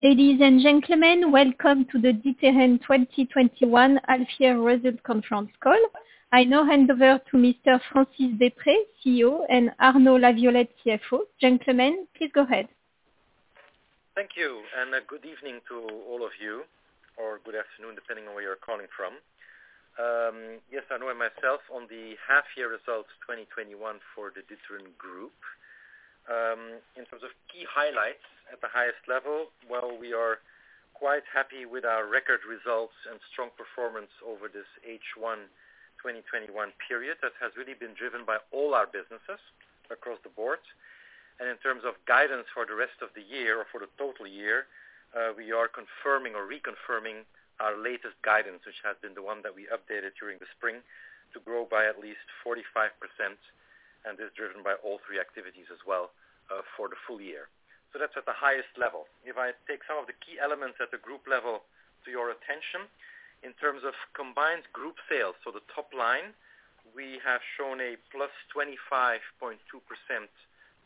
Ladies and gentlemen, welcome to the D'Ieteren 2021 half year results conference call. I now hand over to Mr. Francis Deprez, Chief Executive Officer, and Arnaud Laviolette, Chief Financial Officer. Gentlemen, please go ahead. Thank you, and good evening to all of you, or good afternoon, depending on where you're calling from. Yes, Arnaud and myself on the half year results 2021 for the D'Ieteren Group. In terms of key highlights at the highest level, while we are quite happy with our record results and strong performance over this H1 2021 period, that has really been driven by all our businesses across the board. In terms of guidance for the rest of the year or for the total year, we are confirming or reconfirming our latest guidance, which has been the one that we updated during the spring, to grow by at least 45% and is driven by all three activities as well for the full year. That's at the highest level. If I take some of the key elements at the group level to your attention in terms of combined group sales, so the top-line, we have shown a +25.2%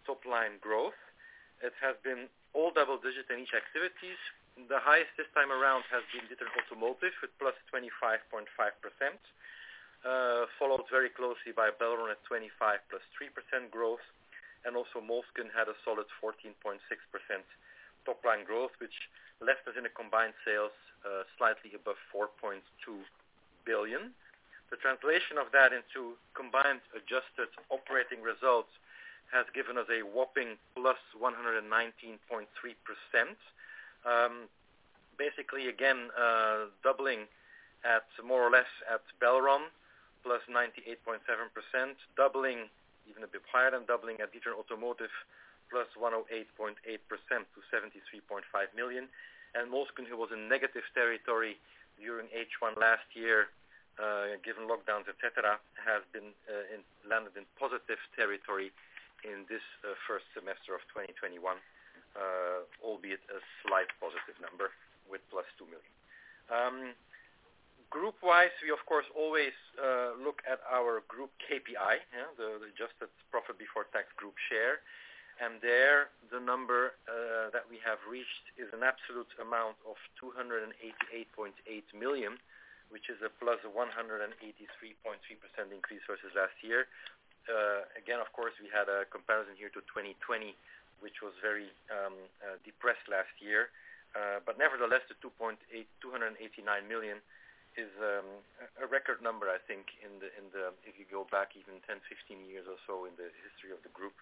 top-line growth that has been all double-digit in each activity. The highest this time around has been D'Ieteren Automotive with +25.5%, followed very closely by Belron at 25% plus 3% growth. Also, Moleskine had a solid 14.6% top-line growth, which left us in a combined sales slightly above 4.2 billion. The translation of that into combined adjusted operating results has given us a whopping +119.3%. Basically, again, doubling at more or less Belron +98.7%, doubling, even a bit higher than doubling at D'Ieteren Automotive, +108.8% to 73.5 million. Moleskine, who was in negative territory during H1 last year, given lockdowns, et cetera, has landed in positive territory in this first semester of 2021, albeit a slight positive number with plus 2 million. Group-wise, we of course always look at our group KPI, the adjusted profit before tax group share. There the number that we have reached is an absolute amount of 288.8 million, which is a +183.3% increase versus last year. Again, of course, we had a comparison here to 2020, which was very depressed last year. Nevertheless, the 289 million is a record number, I think, if you go back even 10, 16 years or so in the history of the group.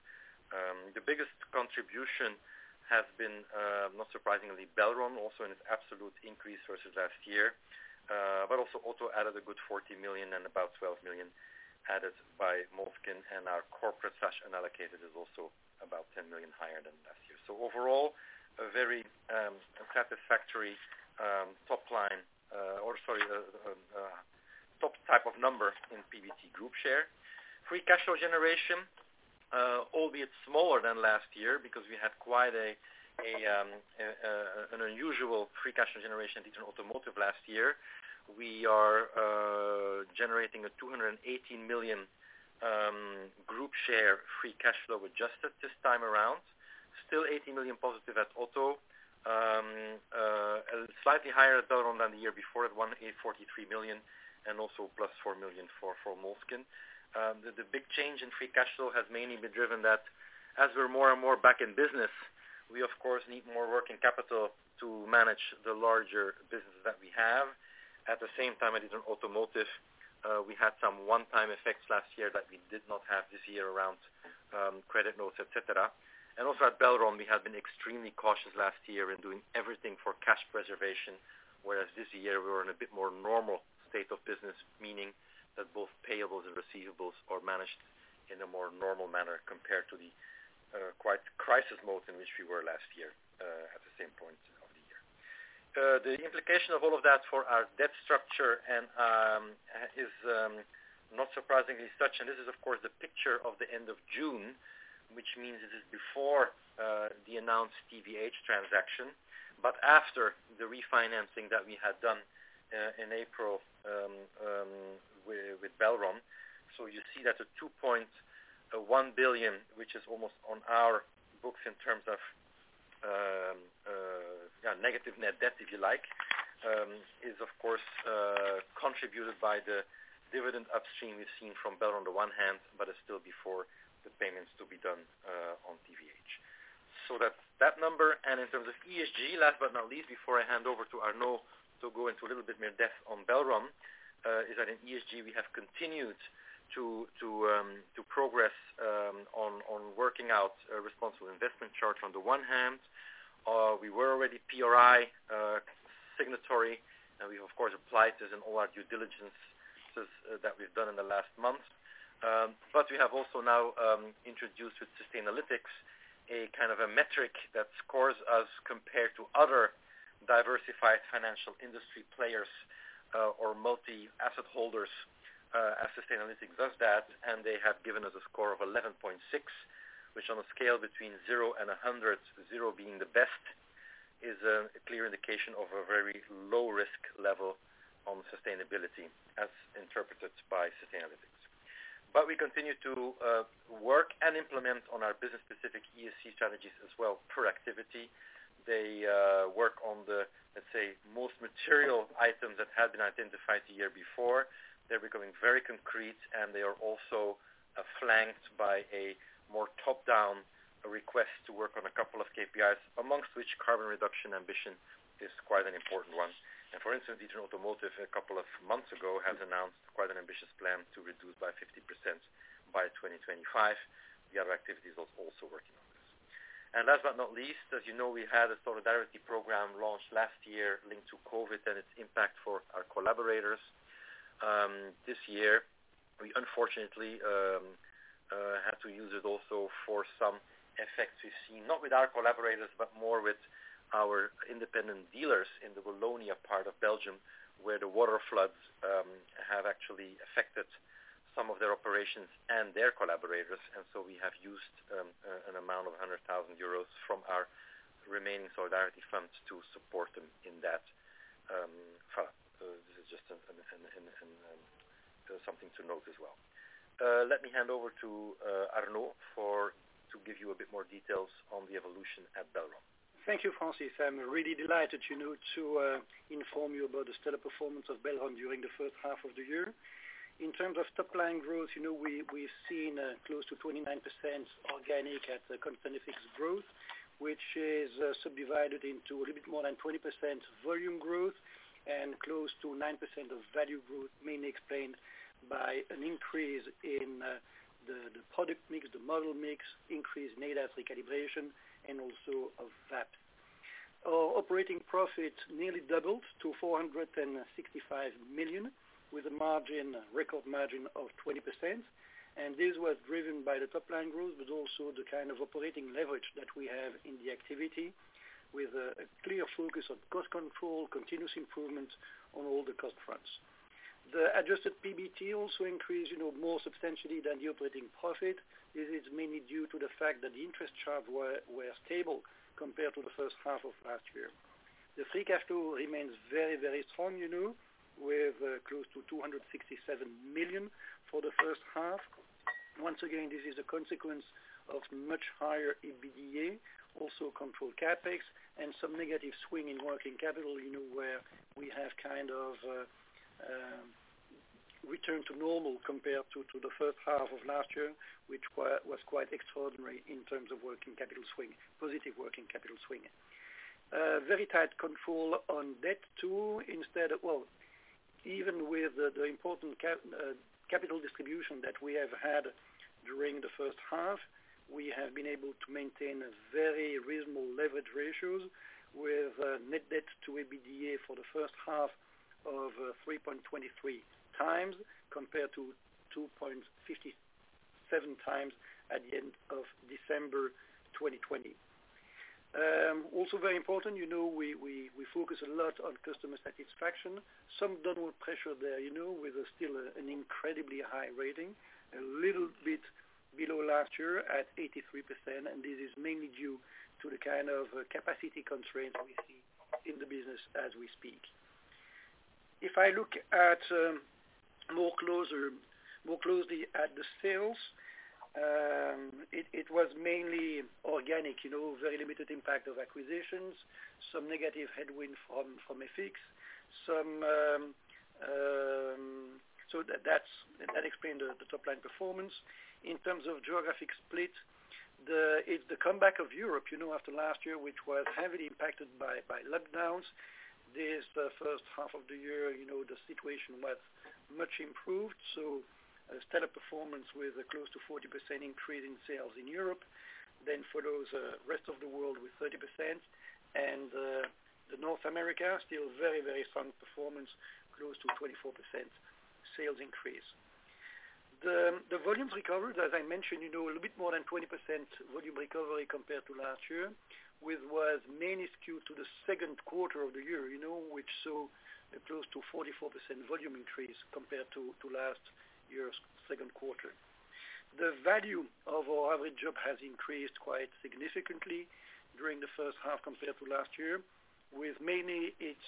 The biggest contribution has been, not surprisingly, Belron also in its absolute increase versus last year, but also Auto added a good 40 million and about 12 million added by Moleskine and our corporate session allocated is also about 10 million higher than last year. Overall, a very satisfactory top line-- or sorry, top type of number in PBT group share. Free cash flow generation, albeit smaller than last year because we had quite an unusual free cash flow generation D'Ieteren Automotive last year. We are generating a 218 million group share free cash flow adjusted this time around. Still 18 million positive at Auto, slightly higher at Belron than the year before at 143 million and also plus 4 million for Moleskine. The big change in free cash flow has mainly been driven that as we're more and more back in business, we of course need more working capital to manage the larger businesses that we have. At the same time, at D'Ieteren Automotive, we had some one-time effects last year that we did not have this year around credit notes, et cetera. Also at Belron, we had been extremely cautious last year in doing everything for cash preservation, whereas this year we were in a bit more normal state of business, meaning that both payables and receivables are managed in a more normal manner compared to the quite crisis mode in which we were last year at the same point of the year. The implication of all of that for our debt structure is not surprisingly such, and this is of course a picture of the end of June, which means it is before the announced TVH transaction, but after the refinancing that we had done in April with Belron. You see that the 2.1 billion, which is almost on our books in terms of negative net debt, if you like, is of course contributed by the dividend upstream we've seen from Belron on the one hand, but it's still before the payments to be done on TVH. That number and in terms of ESG, last but not least, before I hand over to Arnaud to go into a little bit more depth on Belron, is that in ESG we have continued to progress on working out a responsible investment charge on the one hand. We were already PRI signatory, and we of course applied this in all our due diligence that we've done in the last month. We have also now introduced with Sustainalytics a kind of a metric that scores us compared to other diversified financial industry players or multi-asset holders as Sustainalytics does that, and they have given us a score of 11.6, which on a scale between zero and 100, zero being the best, is a clear indication of a very low risk level on sustainability as interpreted by Sustainalytics. We continue to work and implement on our business specific ESG strategies as well per activity. They work on the, let's say, most material items that had been identified the year before. They're becoming very concrete, they are also flanked by a more top-down request to work on a couple of KPIs, amongst which carbon reduction ambition is quite an important one. For instance, D'Ieteren Automotive a couple of months ago has announced quite an ambitious plan to reduce by 50% by 2025. The other activities are also working on this. Last but not least, as you know, we had a solidarity program launched last year linked to COVID and its impact for our collaborators. This year, we unfortunately had to use it also for some effects we've seen, not with our collaborators, but more with our independent dealers in the Wallonia part of Belgium, where the water floods have actually affected some of their operations and their collaborators. We have used an amount of €100,000 from our remaining solidarity fund to support them in that. This is just something to note as well. Let me hand over to Arnaud to give you a bit more details on the evolution at Belron. Thank you, Francis. I'm really delighted to inform you about the stellar performance of Belron during the first half of the year. In terms of top line growth, we've seen close to 29% organic at the constant FX growth, which is subdivided into a little bit more than 20% volume growth and close to 9% of value growth, mainly explained by an increase in the product mix, the model mix, increased ADAS recalibration, and also of VAT. Our operating profit nearly doubled to 465 million, with a record margin of 20%. This was driven by the top line growth, but also the kind of operating leverage that we have in the activity, with a clear focus on cost control, continuous improvement on all the cost fronts. The adjusted PBT also increased more substantially than the operating profit. This is mainly due to the fact that the interest charges were stable compared to the first half of last year. The free cash flow remains very strong, with close to 267 million for the first half. Once again, this is a consequence of much higher EBITDA, also controlled CapEx, and some negative swing in working capital, where we have kind of returned to normal compared to the first half of last year, which was quite extraordinary in terms of positive working capital swing. Very tight control on debt too. Even with the important capital distribution that we have had during the first half, we have been able to maintain very reasonable leverage ratios with net debt-to-EBITDA for the first half of 3.23x, compared to 2.57x at the end of December 2020. Also very important, we focus a lot on customer satisfaction. Some downward pressure there, with still an incredibly high rating, a little bit below last year at 83%, and this is mainly due to the kind of capacity constraints we see in the business as we speak. If I look more closely at the sales, it was mainly organic, very limited impact of acquisitions, some negative headwind from FX. That explains the top-line performance. In terms of geographic split, it's the comeback of Europe after last year, which was heavily impacted by lockdowns. This first half of the year, the situation was much improved. A stellar performance with close to 40% increase in sales in Europe. Follows the rest of the world with 30%, and the North America, still very strong performance, close to 24% sales increase. The volumes recovered, as I mentioned, a little bit more than 20% volume recovery compared to last year, which was mainly skewed to the second quarter of the year, which saw close to 44% volume increase compared to last year's second quarter. The value of our average job has increased quite significantly during the first half compared to last year, with mainly its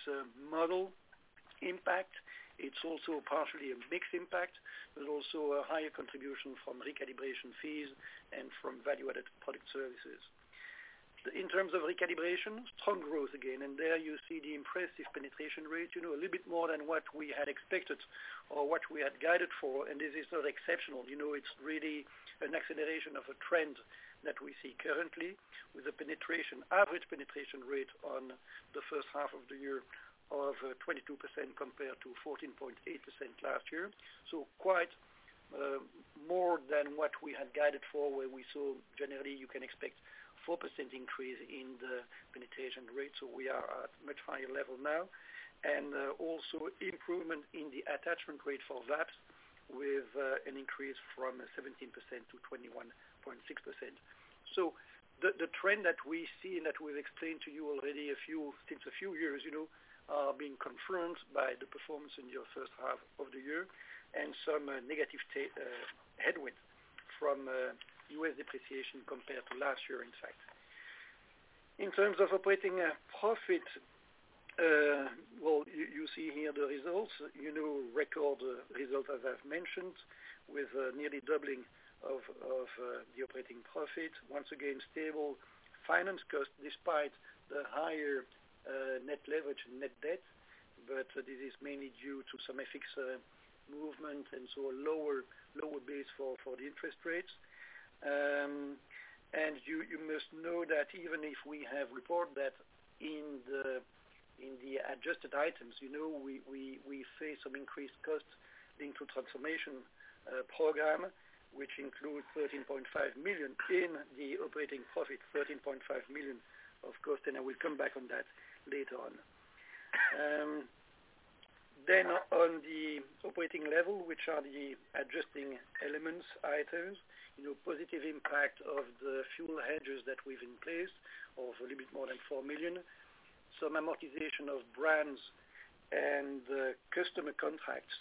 model impact. It's also partially a mix impact. There's also a higher contribution from recalibration fees and from value-added product services. In terms of recalibration, strong growth again. There you see the impressive penetration rate, a little bit more than what we had expected or what we had guided for. This is not exceptional. It's really an acceleration of a trend that we see currently with the average penetration rate on the first half of the year of 22% compared to 14.8% last year. Quite more than what we had guided for, where we saw generally you can expect 4% increase in the penetration rate. We are at a much higher level now. Also improvement in the attachment rate for VAPS with an increase from 17%-21.6%. The trend that we see and that we've explained to you already since a few years, are being confirmed by the performance in the first half of the year and some negative headwind from U.S. depreciation compared to last year, in fact. In terms of operating profit, well, you see here the results. Record result, as I've mentioned, with nearly doubling of the operating profit. Once again, stable finance cost despite the higher net leverage and net debt, but this is mainly due to some FX movement, and so a lower base for the interest rates. You must know that even if we have reported that in the adjusted items, we face some increased costs linked to transformation program, which includes 13.5 million in the operating profit, 13.5 million of cost, and I will come back on that later on. On the operating level, which are the adjusting elements items, positive impact of the fuel hedges that we've in place of a little bit more than 4 million. Some amortization of brands and customer contracts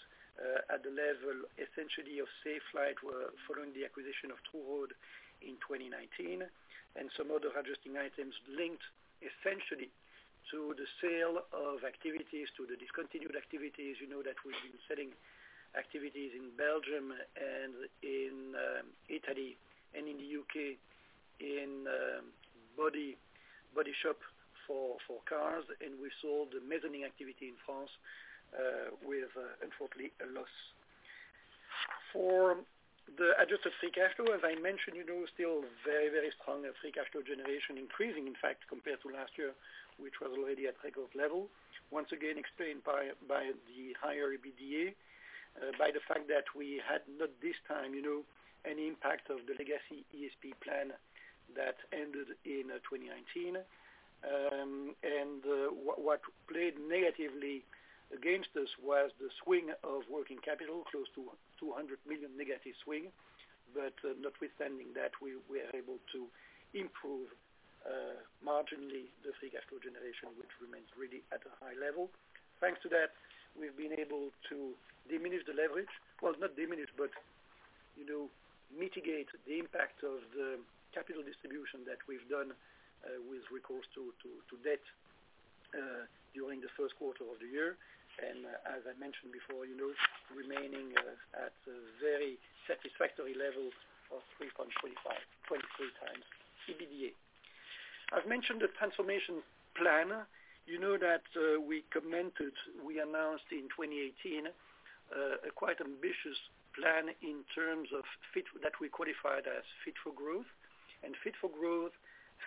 at the level essentially of Safelite were following the acquisition of TruRoad in 2019, and some other adjusting items linked essentially to the sale of activities, to the discontinued activities. You know that we've been selling activities in Belgium and in Italy and in the U.K. in body shop for cars, and we sold the mezzanine activity in France, with, unfortunately, a loss. For the adjusted free cash flow, as I mentioned, still very strong. Free cash flow generation increasing, in fact, compared to last year, which was already at record level. Once again, explained by the higher EBITDA, by the fact that we had not this time any impact of the legacy ESP plan that ended in 2019. What played negatively against us was the swing of working capital, close to 200 million negative swing. Notwithstanding that, we are able to improve marginally the free cash flow generation, which remains really at a high level. Thanks to that, we've been able to diminish the leverage. Well, not diminish, but mitigate the impact of the capital distribution that we've done with recourse to debt during the first quarter of the year. As I mentioned before, remaining at very satisfactory levels of 3.23x EBITDA. I've mentioned the transformation plan. You know that we committed, we announced in 2018, a quite ambitious plan in terms of Fit for Growth. Fit for Growth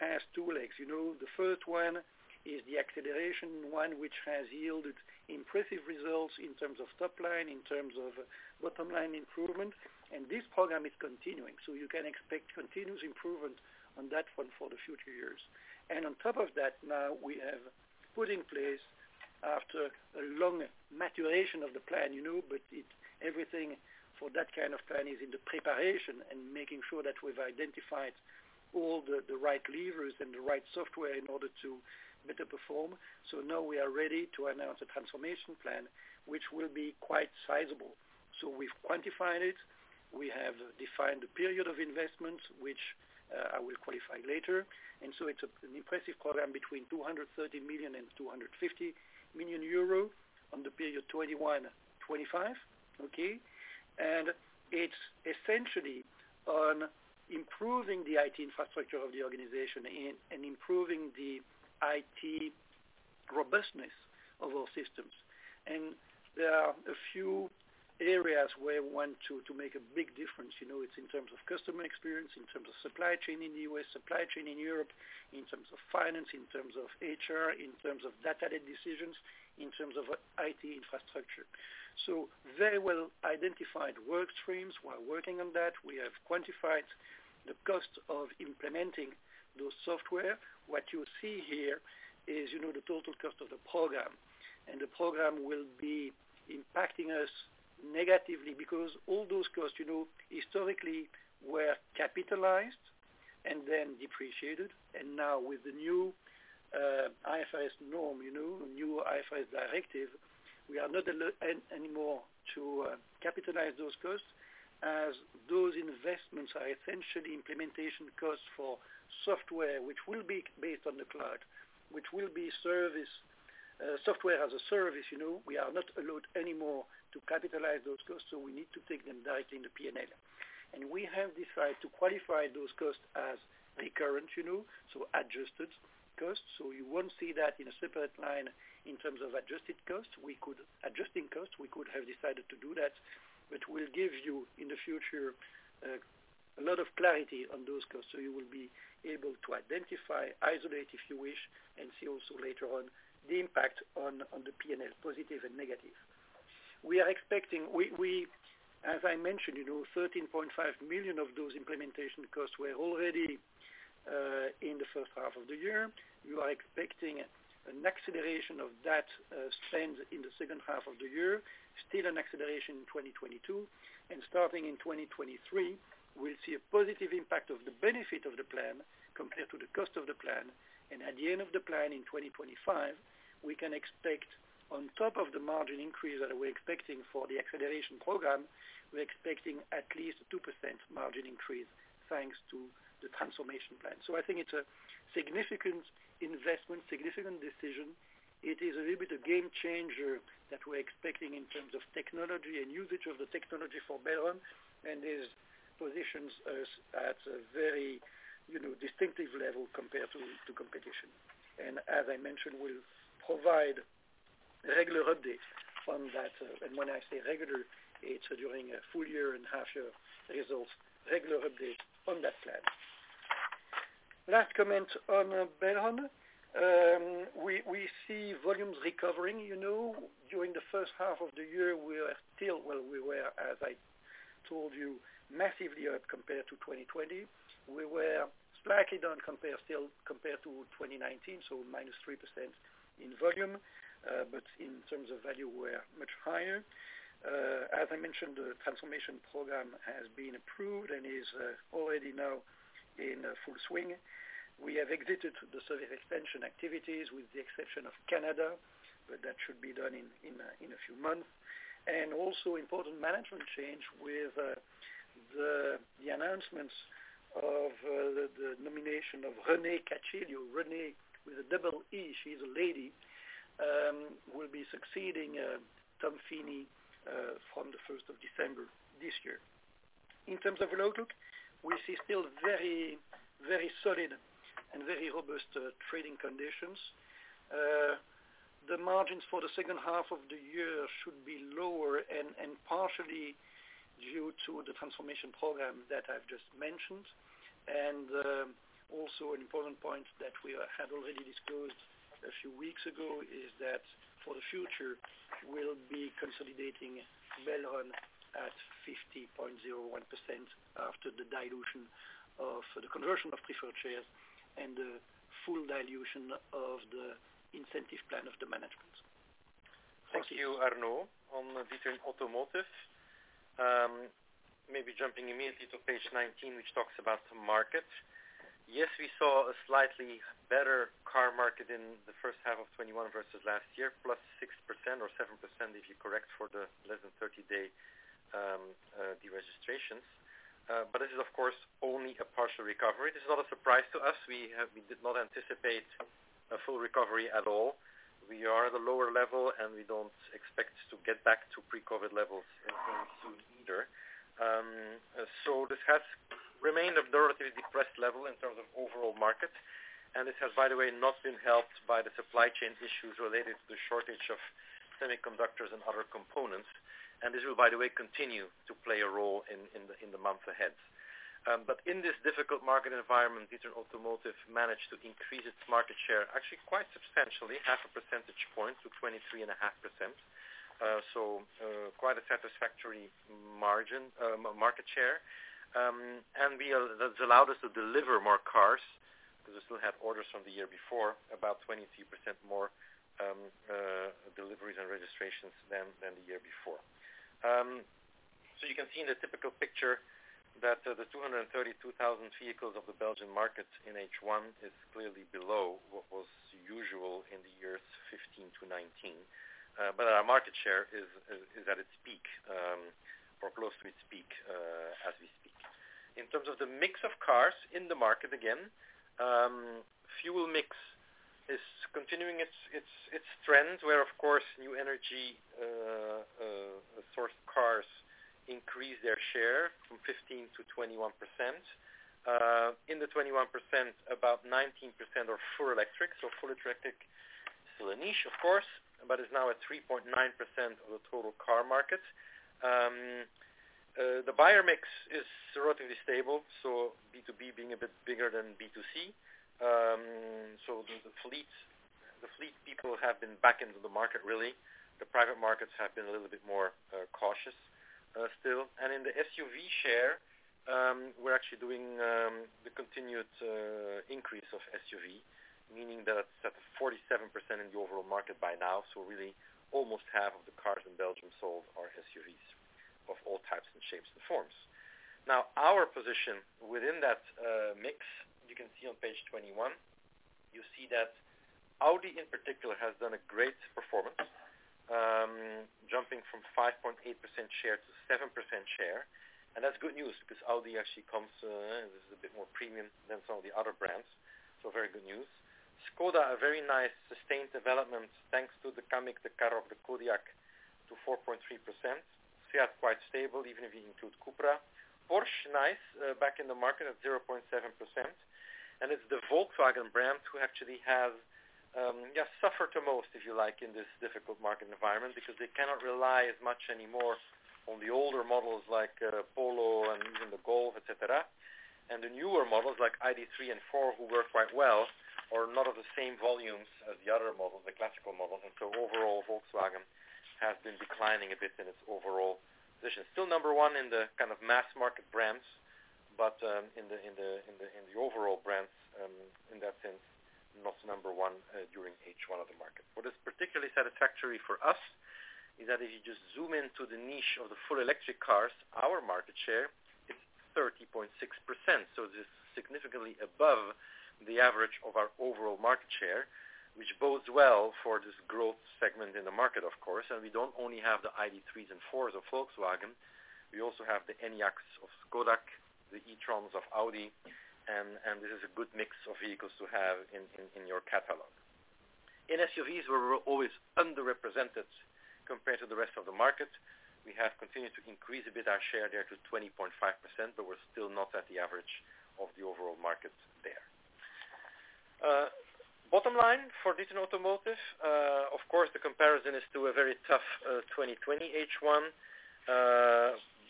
has two legs. The first one is the acceleration one, which has yielded impressive results in terms of top line, in terms of bottom line improvement, and this program is continuing. You can expect continuous improvement on that one for the future years. On top of that, now we have put in place after a long maturation of the plan, but everything for that kind of plan is in the preparation and making sure that we've identified all the right levers and the right software in order to better perform. Now we are ready to announce a transformation plan, which will be quite sizable. We've quantified it. We have defined a period of investment, which I will qualify later. It's an impressive program between 230 million and 250 million euro on the period 2021, 2025. Okay. It's essentially on improving the IT infrastructure of the organization and improving the IT robustness of our systems. There are a few areas where we want to make a big difference. It's in terms of customer experience, in terms of supply chain in the U.S., supply chain in Europe, in terms of finance, in terms of Human Resource, in terms of data-led decisions, in terms of IT infrastructure. Very well-identified work streams. We're working on that. We have quantified the cost of implementing those software. What you see here is the total cost of the program, and the program will be impacting us negatively because all those costs historically were capitalized and then depreciated. Now with the new IFRS norm, new IFRS directive, we are not allowed anymore to capitalize those costs as those investments are essentially implementation costs for software, which will be based on the cloud, which will be Software as a Service. We are not allowed anymore to capitalize those costs, so we need to take them directly in the P&L. We have decided to qualify those costs as recurrent, so adjusted costs. You won't see that in a separate line in terms of adjusting costs. We could have decided to do that, but we'll give you, in the future, a lot of clarity on those costs so you will be able to identify, isolate if you wish, and see also later on the impact on the P&L, positive and negative. As I mentioned, 13.5 million of those implementation costs were already in the first half of the year. We are expecting an acceleration of that spend in the second half of the year. An acceleration in 2022. Starting in 2023, we'll see a positive impact of the benefit of the plan compared to the cost of the plan. At the end of the plan in 2025, we can expect on top of the margin increase that we're expecting for the acceleration program, we're expecting at least a 2% margin increase thanks to the transformation plan. I think it's a significant investment, significant decision. It is a little bit a game changer that we're expecting in terms of technology and usage of the technology for Belron. It positions us at a very distinctive level compared to competition. As I mentioned, we'll provide regular updates on that. When I say regular, it's during a full year and half-year results, regular update on that plan. Last comment on Belron. We see volumes recovering. During the first half of the year, we were, as I told you, massively up compared to 2020. We were slightly down still compared to 2019, so -3% in volume. In terms of value, we're much higher. As I mentioned, the transformation program has been approved and is already now in full swing. We have exited the service extension activities with the exception of Canada, but that should be done in a few months. Also important management change with the announcements of the nomination of Renee Cacchillo. Renee with a double E, she's a lady, will be succeeding Tom Feeney from the 1st of December this year. In terms of outlook, we see still very solid and very robust trading conditions. The margins for the second half of the year should be lower and partially due to the transformation program that I've just mentioned. Also an important point that we had already disclosed a few weeks ago is that for the future, we'll be consolidating Belron at 50.01% after the dilution of the conversion of preferred shares and the full dilution of the incentive plan of the management. Thank you. Thank you, Arnaud. On D'Ieteren Automotive, maybe jumping immediately to page 19, which talks about the market. Yes, we saw a slightly better car market in the first half of 2021 versus last year, plus 6% or 7%, if you correct for the less than 30-day de-registrations. This is, of course, only a partial recovery. This is not a surprise to us. We did not anticipate a full recovery at all. We are at a lower level, and we don't expect to get back to pre-COVID levels any soon either. This has remained a relatively depressed level in terms of overall market, and this has, by the way, not been helped by the supply chain issues related to the shortage of semiconductors and other components. This will, by the way, continue to play a role in the months ahead. In this difficult market environment, D'Ieteren Automotive managed to increase its market share, actually quite substantially, 0.5 percentage point to 23.5%. Quite a satisfactory market share. That has allowed us to deliver more cars because we still have orders from the year before, about 23% more deliveries and registrations than the year before. You can see in the typical picture that the 232,000 vehicles of the Belgian market in H1 is clearly below what was usual in the years 2015-2019. Our market share is at its peak or close to its peak as we speak. In terms of the mix of cars in the market, again, fuel mix is continuing its trend, where, of course, new energy-sourced cars increase their share from 15%-21%. In the 21%, about 19% are full electric. Full electric is still a niche, of course, but it's now at 3.9% of the total car market. The buyer mix is relatively stable, B2B being a bit bigger than B2C. The fleet people have been back into the market, really. The private markets have been a little bit more cautious still. In the SUV share, we're actually doing the continued increase of SUV, meaning that it's at 47% in the overall market by now. Really almost half of the cars in Belgium sold are SUVs of all types and shapes and forms. Our position within that mix, you can see on page 21. You see that Audi in particular has done a great performance, jumping from 5.8% share-7% share. That's good news because Audi actually comes as a bit more premium than some of the other brands. Very good news. Škoda, a very nice sustained development thanks to the Kamiq, the Karoq, the Kodiaq to 4.3%. Fiat quite stable, even if you include Cupra. Porsche, nice, back in the market at 0.7%. It's the Volkswagen brand who actually have suffered the most, if you like, in this difficult market environment because they cannot rely as much anymore on the older models like Polo and even the Golf, et cetera. The newer models like ID.3 and ID.4, who work quite well, are not of the same volumes as the other models, the classical models. Overall, Volkswagen has been declining a bit in its overall position. Still number one in the kind of mass market brands. In the overall brands, in that sense, not number one during H1 of the market. What is particularly satisfactory for us is that if you just zoom into the niche of the full electric cars, our market share is 30.6%. This is significantly above the average of our overall market share, which bodes well for this growth segment in the market, of course. We don't only have the ID.3s and ID.4s of Volkswagen, we also have the Enyaqs of Škoda, the e-trons of Audi, and this is a good mix of vehicles to have in your catalog. In SUVs, we're always underrepresented compared to the rest of the market. We have continued to increase a bit our share there to 20.5%, we're still not at the average of the overall market there. Bottom line for D'Ieteren Automotive. Of course, the comparison is to a very tough 2020 H1.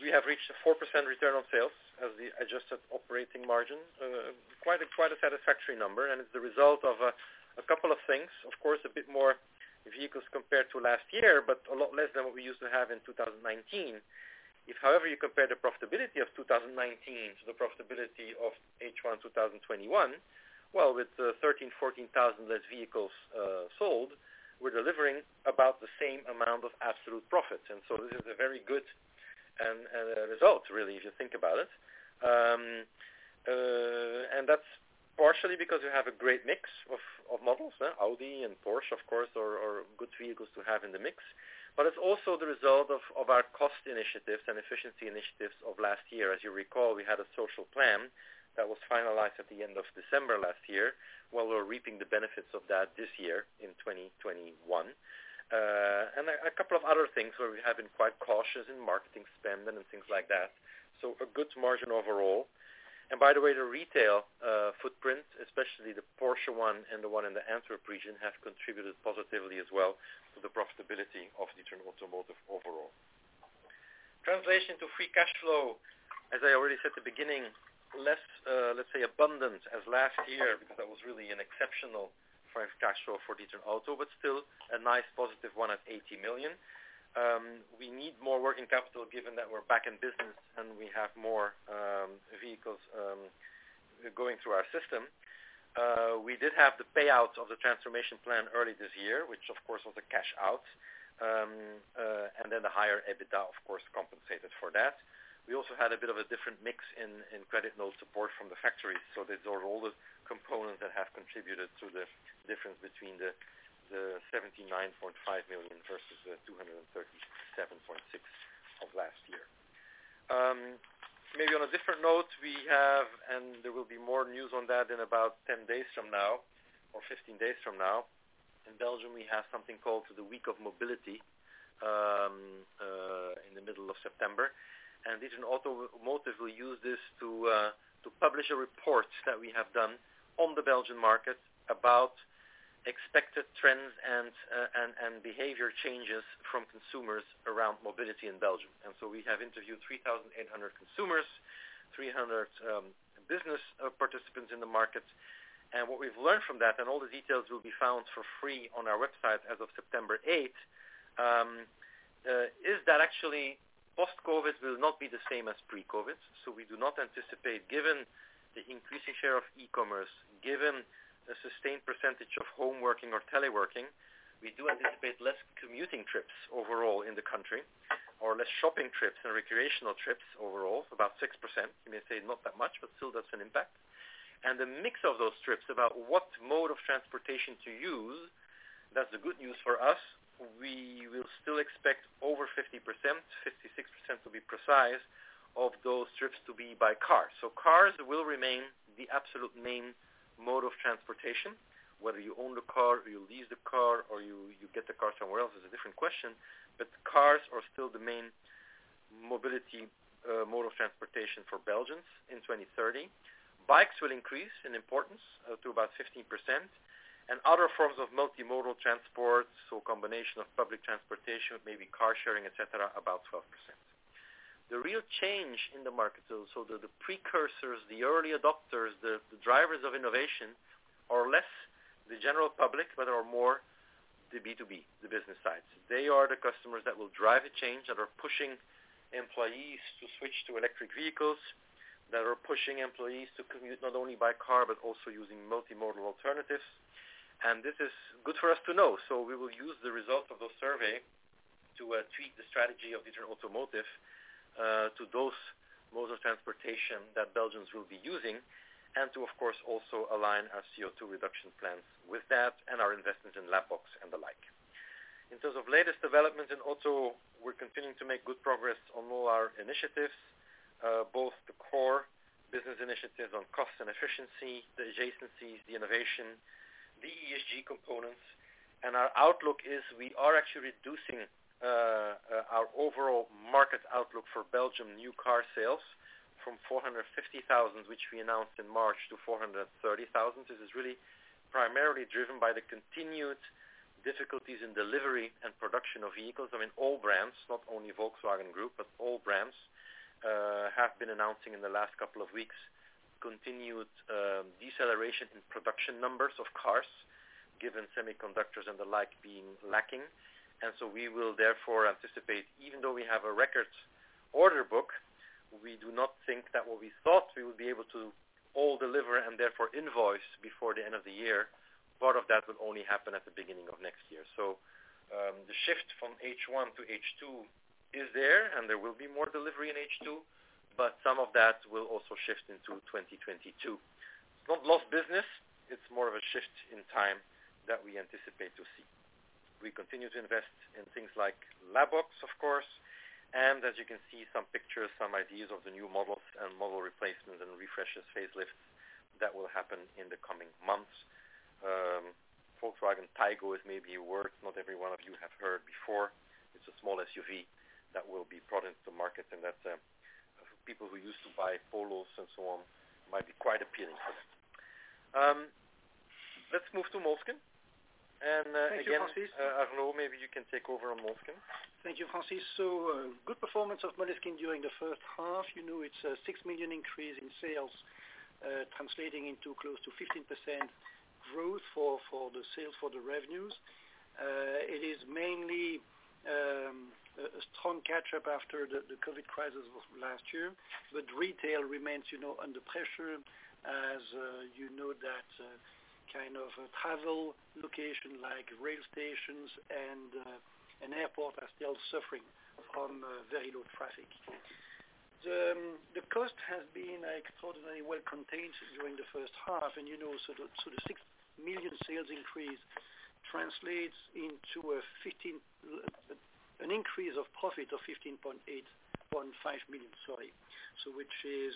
We have reached a 4% return on sales as the adjusted operating margin. Quite a satisfactory number, and it's the result of a couple of things. Of course, a bit more vehicles compared to last year, but a lot less than what we used to have in 2019. If, however, you compare the profitability of 2019 to the profitability of H1 2021, well, with 13,000, 14,000 less vehicles sold, we're delivering about the same amount of absolute profit. This is a very good result really, if you think about it. That's partially because we have a great mix of models. Audi and Porsche, of course, are good vehicles to have in the mix. It's also the result of our cost initiatives and efficiency initiatives of last year. As you recall, we had a social plan that was finalized at the end of December last year. Well, we're reaping the benefits of that this year in 2021. A couple of other things where we have been quite cautious in marketing spend and things like that. A good margin overall. By the way, the retail footprint, especially the Porsche one and the one in the Antwerp region, have contributed positively as well to the profitability of D'Ieteren Automotive overall. Translation to free cash flow, as I already said at the beginning, less, let's say, abundant as last year, because that was really an exceptional free cash flow for D'Ieteren Auto, but still a nice positive one at 80 million. We need more working capital given that we're back in business and we have more vehicles going through our system. We did have the payout of the transformation plan early this year, which of course was a cash out. The higher EBITDA, of course, compensated for that. We also had a bit of a different mix in credit note support from the factory. These are all the components that have contributed to the difference between 79.5 million versus 237.6 million of last year. Maybe on a different note, we have, and there will be more news on that in about 10 days from now or 15 days from now. In Belgium, we have something called European Mobility Week in the middle of September. D'Ieteren Automotive will use this to publish a report that we have done on the Belgian market about expected trends and behavior changes from consumers around mobility in Belgium. We have interviewed 3,800 consumers, 300 business participants in the market. What we've learned from that, and all the details will be found for free on our website as of September 8th, is that actually post-COVID will not be the same as pre-COVID. We do not anticipate, given the increasing share of e-commerce, given a sustained percentage of home working or teleworking, we do anticipate less commuting trips overall in the country or less shopping trips and recreational trips overall. About 6%, you may say not that much, but still that's an impact. The mix of those trips about what mode of transportation to use, that's the good news for us. We will still expect over 50%, 56% to be precise, of those trips to be by car. Cars will remain the absolute main mode of transportation. Whether you own the car or you lease the car or you get the car somewhere else is a different question. Cars are still the main mobility mode of transportation for Belgians in 2030. Bikes will increase in importance to about 15%, and other forms of multimodal transport, so combination of public transportation, maybe car sharing, et cetera, about 12%. The real change in the market, so the precursors, the early adopters, the drivers of innovation are less the general public, but are more the B2B, the business sides. They are the customers that will drive a change, that are pushing employees to switch to electric vehicles, that are pushing employees to commute not only by car, but also using multimodal alternatives. This is good for us to know. We will use the result of the survey to tweak the strategy of D'Ieteren Automotive to those modes of transportation that Belgians will be using, and to, of course, also align our CO₂ reduction plans with that and our investment in Lab Box and the like. In terms of latest developments in auto, we're continuing to make good progress on all our initiatives, both the core business initiatives on cost and efficiency, the adjacencies, the innovation, the ESG components. Our outlook is we are actually reducing our overall market outlook for Belgium new car sales from 450,000, which we announced in March, to 430,000 car sales. This is really primarily driven by the continued difficulties in delivery and production of vehicles. I mean, all brands, not only Volkswagen Group, but all brands have been announcing in the last couple of weeks. Continued deceleration in production numbers of cars, given semiconductors and the like being lacking. We will therefore anticipate, even though we have a record order book, we do not think that what we thought we would be able to all deliver and therefore invoice before the end of the year. Part of that will only happen at the beginning of next year. The shift from H1-H2 is there, and there will be more delivery in H2, but some of that will also shift into 2022. It's not lost business. It's more of a shift in time that we anticipate to see. We continue to invest in things like Lab Box, of course. As you can see some pictures, some ideas of the new models and model replacement and refreshes, facelifts that will happen in the coming months. Volkswagen Taigo is maybe a word not every one of you have heard before. It's a small SUV that will be brought into market and that people who used to buy Polos and so on might be quite appealing to that. Let's move to Moleskine. Thank you, Francis. Again, Arnaud, maybe you can take over on Moleskine. Thank you, Francis. Good performance of Moleskine during the first half. It is a 6 million increase in sales, translating into close to 15% growth for the sales, for the revenues. It is mainly a strong catch-up after the COVID crisis of last year, but retail remains under pressure as you know that kind of travel location like rail stations and airport are still suffering from very low traffic. The cost has been extraordinarily well-contained during the first half, and so the 6 million sales increase translates into an increase of profit of 15.5 million, sorry, which is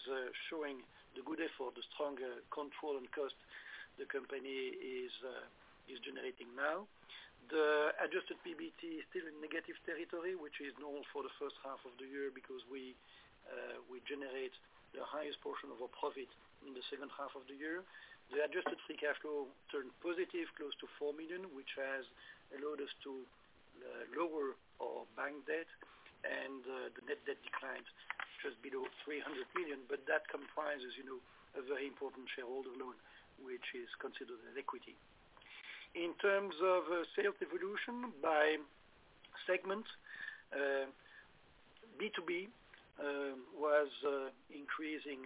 showing the good effort, the strong control on cost the company is generating now. The adjusted PBT is still in negative territory, which is normal for the first half of the year because we generate the highest portion of our profit in the second half of the year. The adjusted free cash flow turned positive, close to 4 million, which has allowed us to lower our bank debt and the net debt declines just below 300 million, but that comprises a very important shareholder loan, which is considered an equity. In terms of sales evolution by segment, B2B was increasing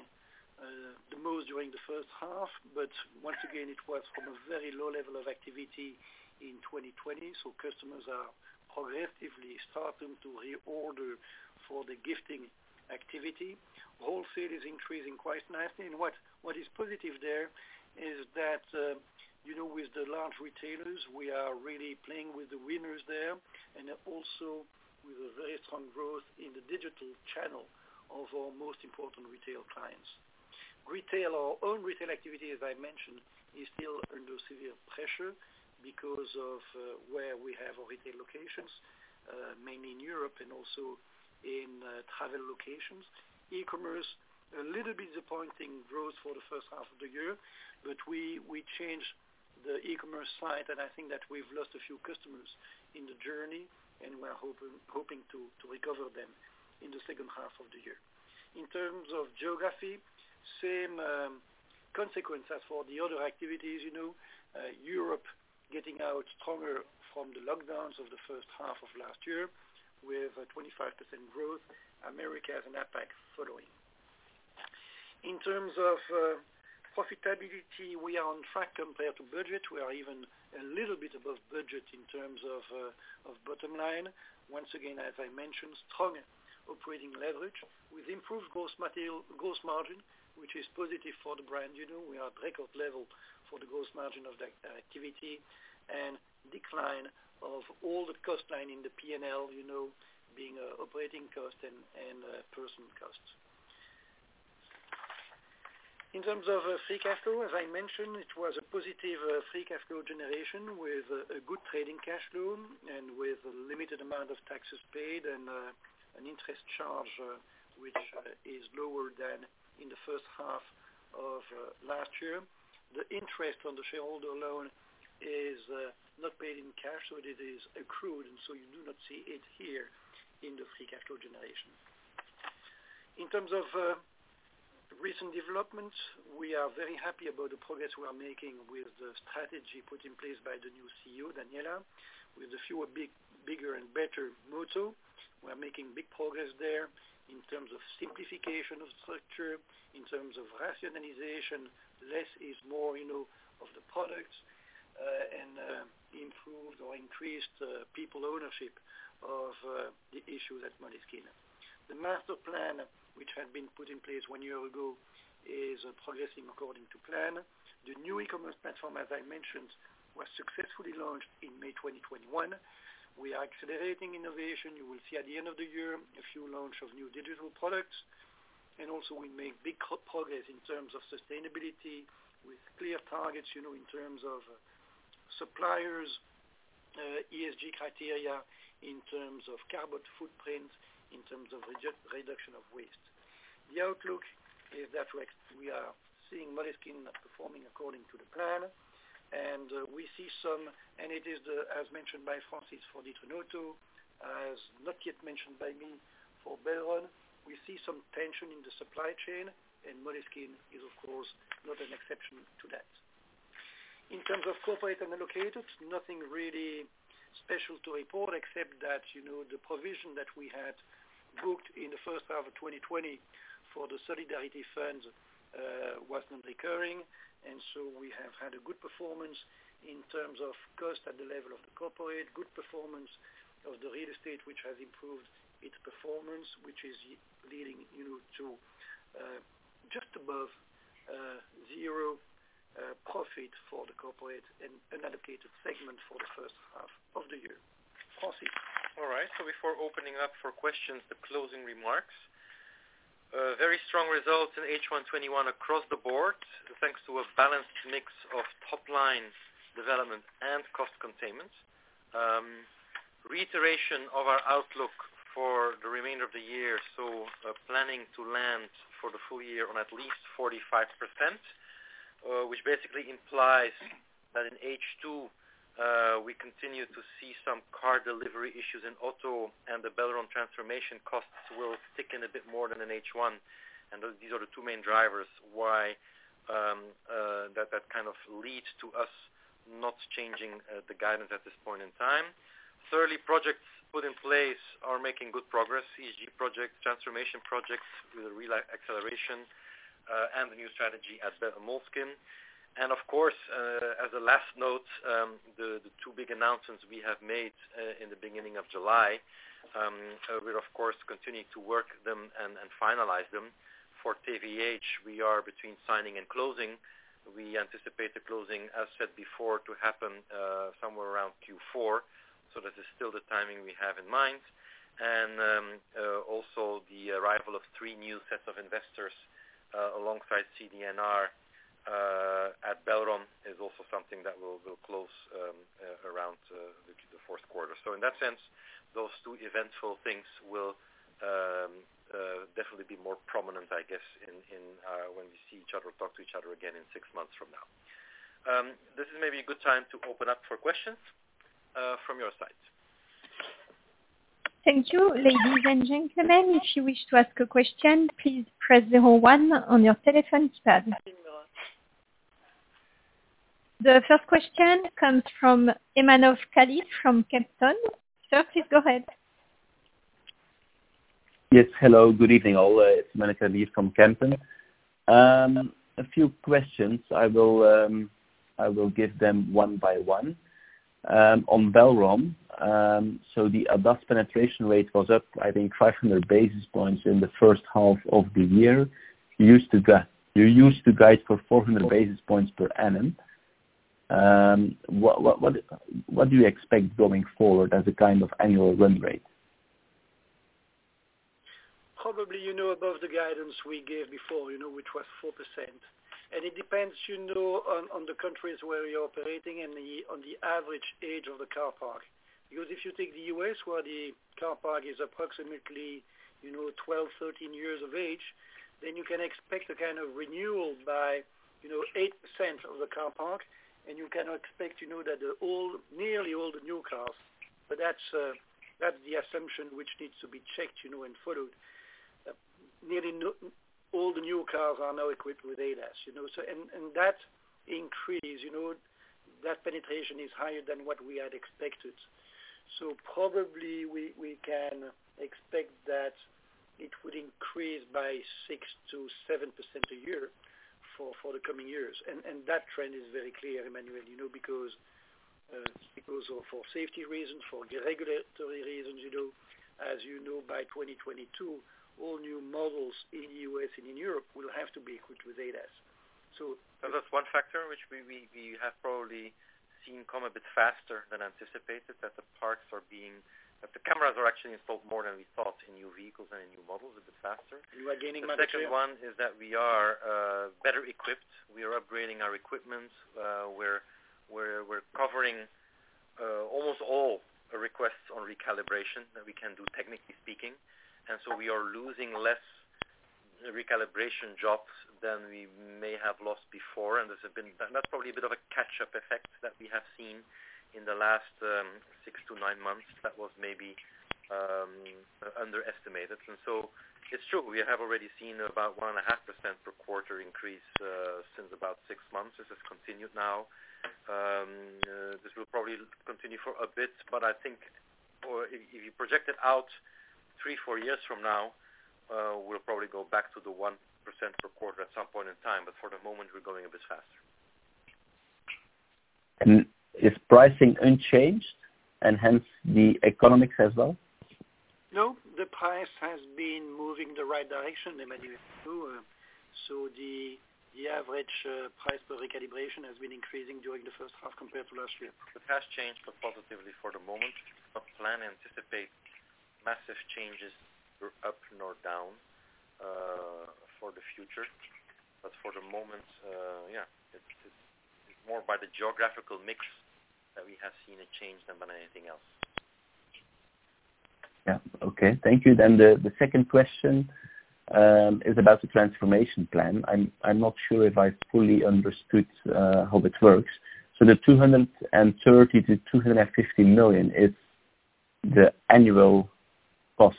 the most during the first half, but once again, it was from a very low level of activity in 2020. Customers are progressively starting to reorder for the gifting activity. Wholesale is increasing quite nicely. What is positive there is that with the large retailers, we are really playing with the winners there, and also with a very strong growth in the digital channel of our most important retail clients. Retail, our own retail activity, as I mentioned, is still under severe pressure because of where we have our retail locations, mainly in Europe and also in travel locations. E-commerce, a little bit disappointing growth for the first half of the year. We changed the e-commerce site. I think that we've lost a few customers in the journey. We're hoping to recover them in the second half of the year. In terms of geography, same consequences for the other activities. Europe getting out stronger from the lockdowns of the first half of last year with a 25% growth. Americas and APAC following. In terms of profitability, we are on track compared to budget. We are even a little bit above budget in terms of bottom line. Once again, as I mentioned, strong operating leverage with improved gross margin, which is positive for the brand. We are at record level for the gross margin of that activity and decline of all the cost line in the P&L, being operating cost and personal costs. In terms of free cash flow, as I mentioned, it was a positive free cash flow generation with a good trading cash flow and with a limited amount of taxes paid and an interest charge which is lower than in the first half of last year. The interest on the shareholder loan is not paid in cash, so it is accrued, and so you do not see it here in the free cash flow generation. In terms of recent developments, we are very happy about the progress we are making with the strategy put in place by the new Chief Executive Officer, Daniela, with a fewer, bigger and better motto. We are making big progress there in terms of simplification of structure, in terms of rationalization. Less is more of the products, and improved or increased people ownership of the issue that Moleskine. The master plan, which had been put in place one year ago, is progressing according to plan. The new e-commerce platform, as I mentioned, was successfully launched in May 2021. We are accelerating innovation. You will see at the end of the year a few launch of new digital products. Also we make big progress in terms of sustainability with clear targets in terms of suppliers, ESG criteria, in terms of carbon footprint, in terms of reduction of waste. The outlook is that we are seeing Moleskine performing according to the plan. We see some, and it is as mentioned by Francis for D'Ieteren Auto, as not yet mentioned by me for Belron, we see some tension in the supply chain, and Moleskine is, of course, not an exception to that. In terms of corporate and allocated, nothing really special to report except that the provision that we had booked in the first half of 2020 for the solidarity funds was not recurring. We have had a good performance in terms of cost at the level of the corporate, good performance of the real estate, which has improved its performance, which is leading to just above zero profit for the corporate and allocated segment for the first half of the year. Francis. Before opening up for questions, the closing remarks. Very strong results in H1 2021 across the board, thanks to a balanced mix of top-line development and cost containment. Reiteration of our outlook for the remainder of the year. Planning to land for the full year on at least 45%, which basically implies that in H2, we continue to see some car delivery issues in auto and the Belron transformation costs will thicken a bit more than in H1. These are the two main drivers why that leads to us not changing the guidance at this point in time. Thirdly, projects put in place are making good progress. ESG projects, transformation projects with a real acceleration, and the new strategy at Belron Moleskine. Of course, as a last note, the two big announcements we have made in the beginning of July. We'll of course continue to work them and finalize them. For TVH, we are between signing and closing. We anticipate the closing, as said before, to happen somewhere around Q4. That is still the timing we have in mind. Also the arrival of three new sets of investors alongside CD&R at Belron is also something that will close around the fourth quarter. In that sense, those two eventful things will definitely be more prominent, I guess, when we see each other, talk to each other again in six months from now. This is maybe a good time to open up for questions from your side. Thank you. Ladies and gentlemen, if you wish to ask a question, please press zero one on your telephone keypad. The first question comes from Emmanuel Carlier from Kempen & Co. Sir, please go ahead. Yes, hello. Good evening, all. It's Emmanuel Carlier from Kempen & Co. A few questions. I will give them one by one. On Belron, the ADAS penetration rate was up, I think, 500 basis points in the first half of the year. You used to guide for 400 basis points per annum. What do you expect going forward as a kind of annual run rate? Probably above the guidance we gave before, which was 4%. It depends on the countries where you're operating and on the average age of the car park. If you take the U.S. where the car park is approximately 12 years, 13 years of age, then you can expect a kind of renewal by 8% of the car park, and you can expect to know that nearly all the new cars, but that's the assumption which needs to be checked and followed. Nearly all the new cars are now equipped with ADAS. That increase, that penetration is higher than what we had expected. Probably we can expect that it would increase by 6%-7% a year for the coming years. That trend is very clear, Emmanuel, because for safety reasons, for regulatory reasons. As you know, by 2022, all new models in the U.S. and in Europe will have to be equipped with ADAS. That's one factor which we have probably seen come a bit faster than anticipated, that the cameras are actually installed more than we thought in new vehicles and in new models a bit faster. We are gaining market share. The second one is that we are better equipped. We are upgrading our equipment. We're covering almost all requests on recalibration that we can do, technically speaking. We are losing less recalibration jobs than we may have lost before, and that's probably a bit of a catch-up effect that we have seen in the last six to nine months that was maybe underestimated. It's true, we have already seen about 1.5% per quarter increase since about six months. This has continued now. This will probably continue for a bit, but I think if you project it out three, four years from now, we'll probably go back to the 1% per quarter at some point in time. For the moment, we're going a bit faster. Is pricing unchanged and hence the economics as well? No, the price has been moving in the right direction, Emmanuel. The average price per recalibration has been increasing during the first half compared to last year. The price changed for positively for the moment. Plan anticipate massive changes up nor down for the future. For the moment, yeah, it's more by the geographical mix that we have seen a change than by anything else. Yeah. Okay. Thank you. The second question is about the transformation plan. I'm not sure if I fully understood how it works. The 230 million-250 million is the annual cost-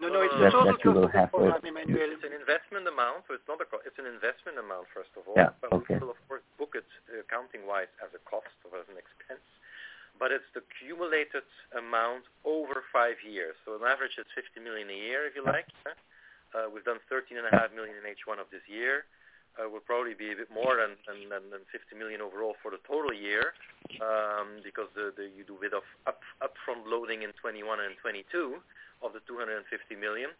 It's an investment amount, so it's not a cost. It's an investment amount, first of all. Yeah. Okay. We will, of course, book it accounting-wise as a cost or as an expense. It's the cumulative amount over five years. On average, it's 50 million a year, if you like. We've done 13.5 million in H1 of this year. It will probably be a bit more than 50 million overall for the total year, because you do a bit of upfront loading in 2021 and 2022 of the 250 million,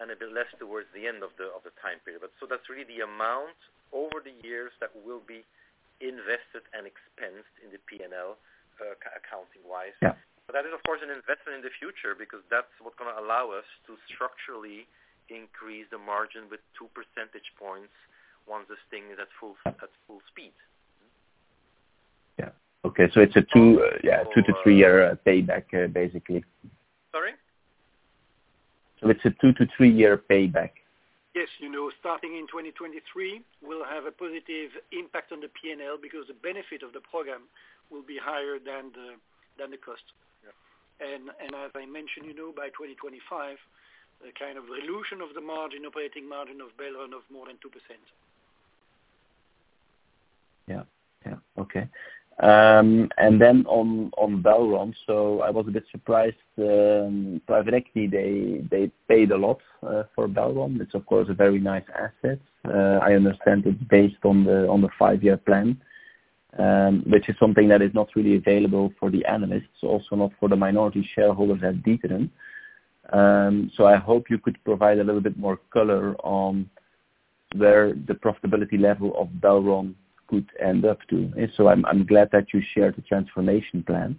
and a bit less towards the end of the time period. That's really the amount over the years that will be invested and expensed in the P&L, accounting-wise. Yeah. That is, of course, an investment in the future because that's what's going to allow us to structurally increase the margin with 2 percentage points once this thing is at full speed. Yeah. Okay, it's a two-year to three-year payback, basically. Sorry? It's a two-year to three-year payback. Yes, starting in 2023, we'll have a positive impact on the P&L because the benefit of the program will be higher than the cost. Yeah. As I mentioned, by 2025, the kind of evolution of the margin, operating margin of Belron of more than 2%. Yeah. Okay. On Belron, I was a bit surprised. Private equity, they paid a lot for Belron. It's, of course, a very nice asset. I understand it based on the five-year plan, which is something that is not really available for the analysts, also not for the minority shareholder of that D'Ieteren. I hope you could provide a little bit more color on where the profitability level of Belron could end up to. I'm glad that you shared the transformation plan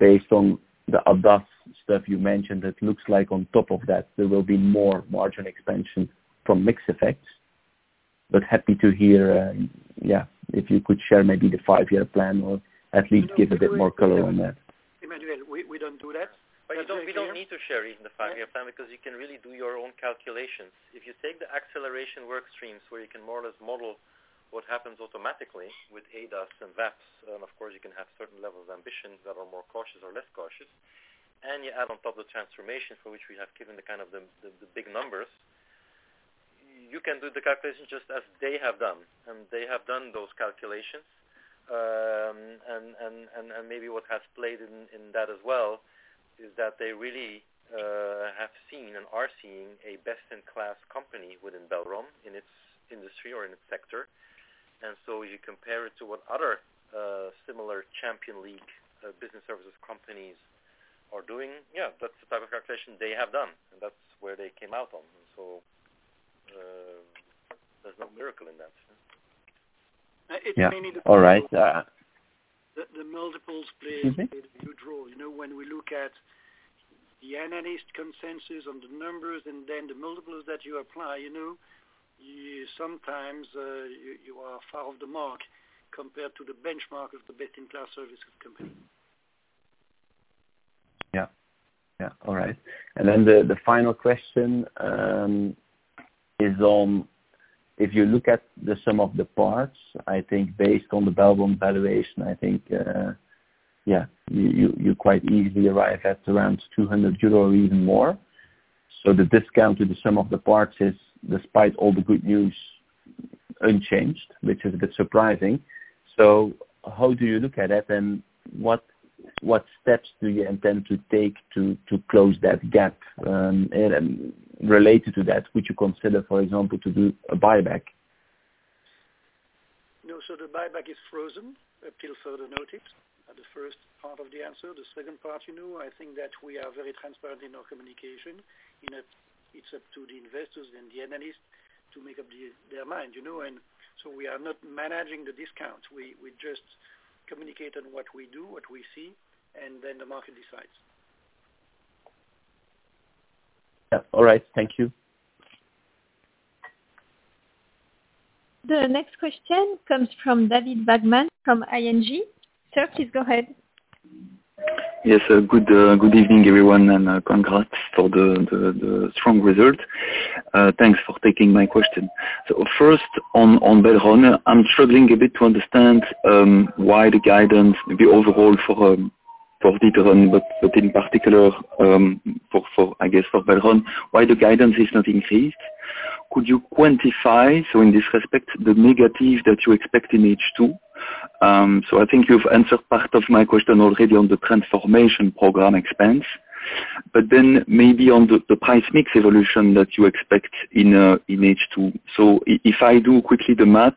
based on the ADAS stuff you mentioned, it looks like on top of that, there will be more margin expansion from mix effects. Happy to hear, yeah, if you could share maybe the five-year plan or at least give a bit more color on that. Emmanuel, we don't do that. We don't need to share even the five-year plan because you can really do your own calculations. If you take the acceleration work streams where you can more or less model what happens automatically with ADAS and VAPS, then, of course, you can have certain levels of ambitions that are more cautious or less cautious. You add on top the transformation for which we have given the big numbers. You can do the calculations just as they have done, and they have done those calculations. Maybe what has played in that as well is that they really have seen and are seeing a best-in-class company within Belron, in its industry or in its sector. You compare it to what other similar champion league business services companies are doing. Yeah, that's the type of calculation they have done, and that's where they came out on. There's no miracle in that. Yeah. All right. The multiples play a huge role. When we look at the analyst consensus on the numbers and then the multiples that you apply, you sometimes are far off the mark compared to the benchmark of the best-in-class services company. Yeah. All right. The final question is on, if you look at the sum of the parts, I think based on the Belron valuation, I think, yeah, you quite easily arrive at around 200 euro or even more. The discount to the sum of the parts is, despite all the good news, unchanged, which is a bit surprising. How do you look at it, and what steps do you intend to take to close that gap? Related to that, would you consider, for example, to do a buyback? No, the buyback is frozen until further notice. The first part of the answer, the second part, I think that we are very transparent in our communication. It's up to the investors and the analysts to make up their mind. We are not managing the discount. We just communicate on what we do, what we see, and then the market decides. Yeah. All right. Thank you. The next question comes from David Vagman from ING. Sir, please go ahead. Yes. Good evening, everyone, and congrats for the strong result. Thanks for taking my question. First on Belron, I am struggling a bit to understand why the guidance, maybe overall for D'Ieteren, but in particular, I guess for Belron, why the guidance is not increased. Could you quantify, in this respect, the negative that you expect in H2? I think you've answered part of my question already on the transformation program expense, but then maybe on the price mix evolution that you expect in H2. If I do quickly the math,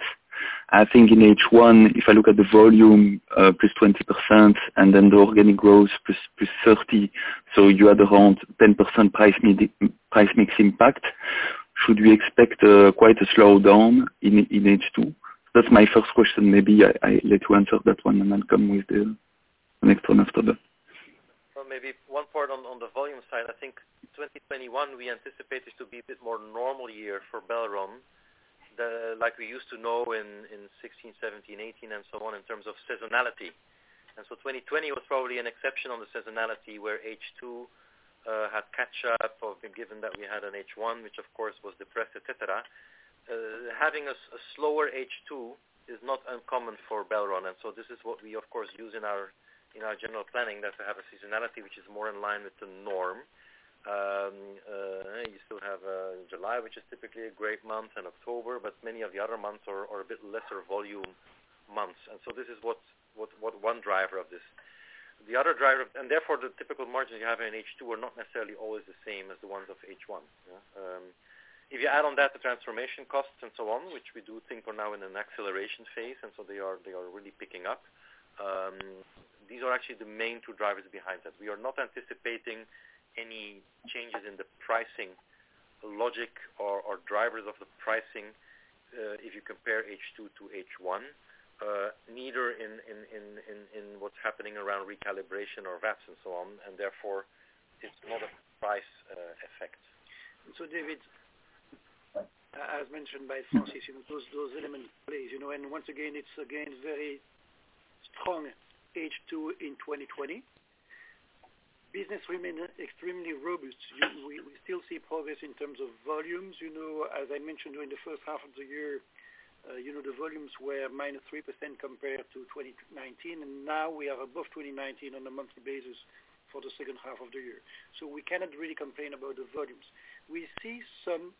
I think in H1, if I look at the volume, +20%, and then the organic growth, +30%, so you had around 10% price mix impact. Should we expect quite a slowdown in H2? That's my first question. Maybe I let you answer that one, and then come with the next one after that. Maybe one part on the volume side. I think 2021, we anticipated to be a bit more normal year for Belron. Like we used to know in 2016, 2017, 2018, and so on, in terms of seasonality. 2020 was probably an exception on the seasonality where H2 had catch up, given that we had an H1, which of course was depressed, et cetera. Having a slower H2 is not uncommon for Belron, this is what we of course use in our general planning, that we have a seasonality which is more in line with the norm. You still have July, which is typically a great month, and October, but many of the other months are a bit lesser volume months. This is what one driver of this. Therefore the typical margins you have in H2 are not necessarily always the same as the ones of H1. If you add on that the transformation costs and so on, which we do think are now in an acceleration phase, they are really picking up. These are actually the main two drivers behind that. We are not anticipating any changes in the pricing logic or drivers of the pricing, if you compare H2 to H1, neither in what's happening around recalibration or VAPs and so on, therefore it's not a price effect. David, as mentioned by Francis, those elements play, and once again, it's again a very strong H2 in 2020. Business remains extremely robust. We still see progress in terms of volumes. As I mentioned during the first half of the year, the volumes were -3% compared to 2019, and now we are above 2019 on a monthly basis for the second half of the year. We cannot really complain about the volumes. We see some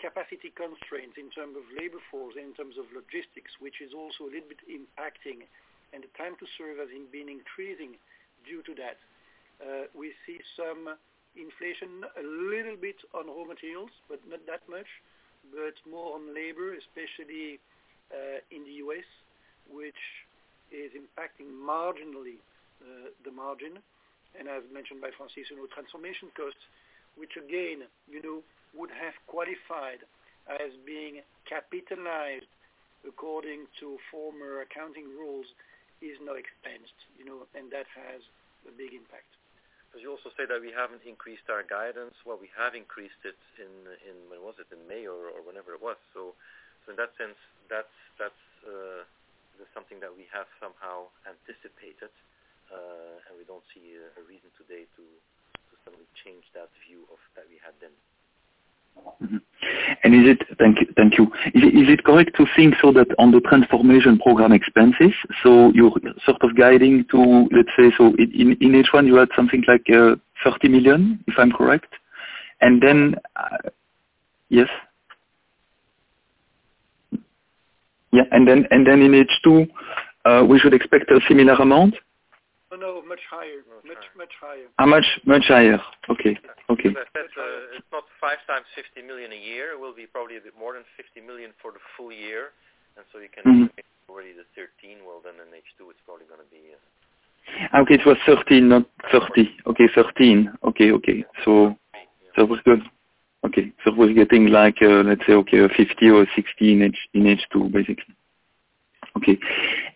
capacity constraints in terms of labor force, in terms of logistics, which is also a little bit impacting, and the time to serve has been increasing due to that. We see some inflation, a little bit on raw materials, but not that much, but more on labor, especially in the U.S., which is impacting marginally the margin. As mentioned by Francis, transformation costs, which again, would have qualified as being capitalized according to former accounting rules, is now expensed, and that has a big impact. As you also say that we haven't increased our guidance. Well, we have increased it in, when was it? In May or whenever it was. In that sense, that's something that we have somehow anticipated. We don't see a reason today to suddenly change that view that we had then. Thank you. Is it correct to think on the transformation program expenses, you're sort of guiding to, let's say, in H1, you had something like EUR 30 million, if I'm correct. Yes. Yeah. In H2, we should expect a similar amount? No, much higher. Much higher. Much higher. Okay. As I said, it's not 5x 50 million a year. It will be probably a bit more than 50 million for the full year. already the 13 million. Well, in H2, it's probably going to be Okay. It was 13 million, not 30 million. Okay, 13 million. Okay. That was good. Okay. It was getting like, let's say, okay, 50 million or 60 million in H2, basically. Okay.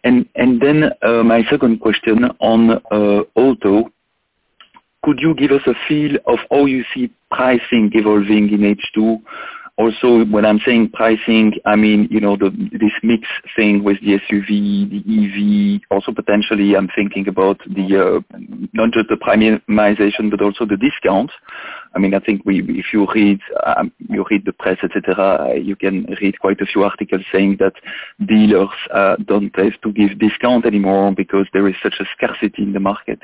My second question on auto, could you give us a feel of how you see pricing evolving in H2? When I'm saying pricing, I mean this mix thing with the SUV, the EV, also potentially, I'm thinking about not just the premiumization, but also the discount. I think if you read the press, et cetera, you can read quite a few articles saying that dealers don't have to give discount anymore because there is such a scarcity in the market.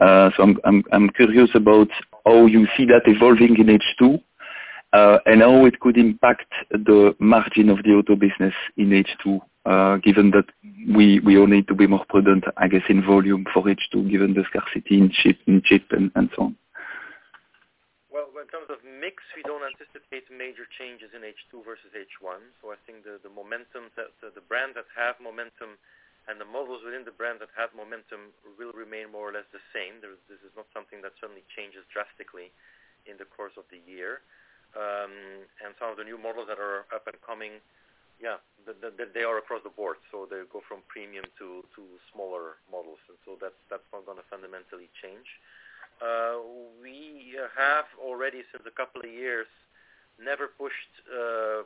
I'm curious about how you see that evolving in H2, and how it could impact the margin of the auto business in H2, given that we all need to be more prudent, I guess, in volume for H2, given the scarcity in chip and so on. Well, in terms of mix, we don't anticipate major changes in H2 versus H1. I think the brand that have momentum and the models within the brand that have momentum will remain more or less the same. This is not something that suddenly changes drastically in the course of the year. Some of the new models that are up and coming, yeah, they are across the board, so they go from premium to smaller models. That's not going to fundamentally change. We have already, since a couple of years, never pushed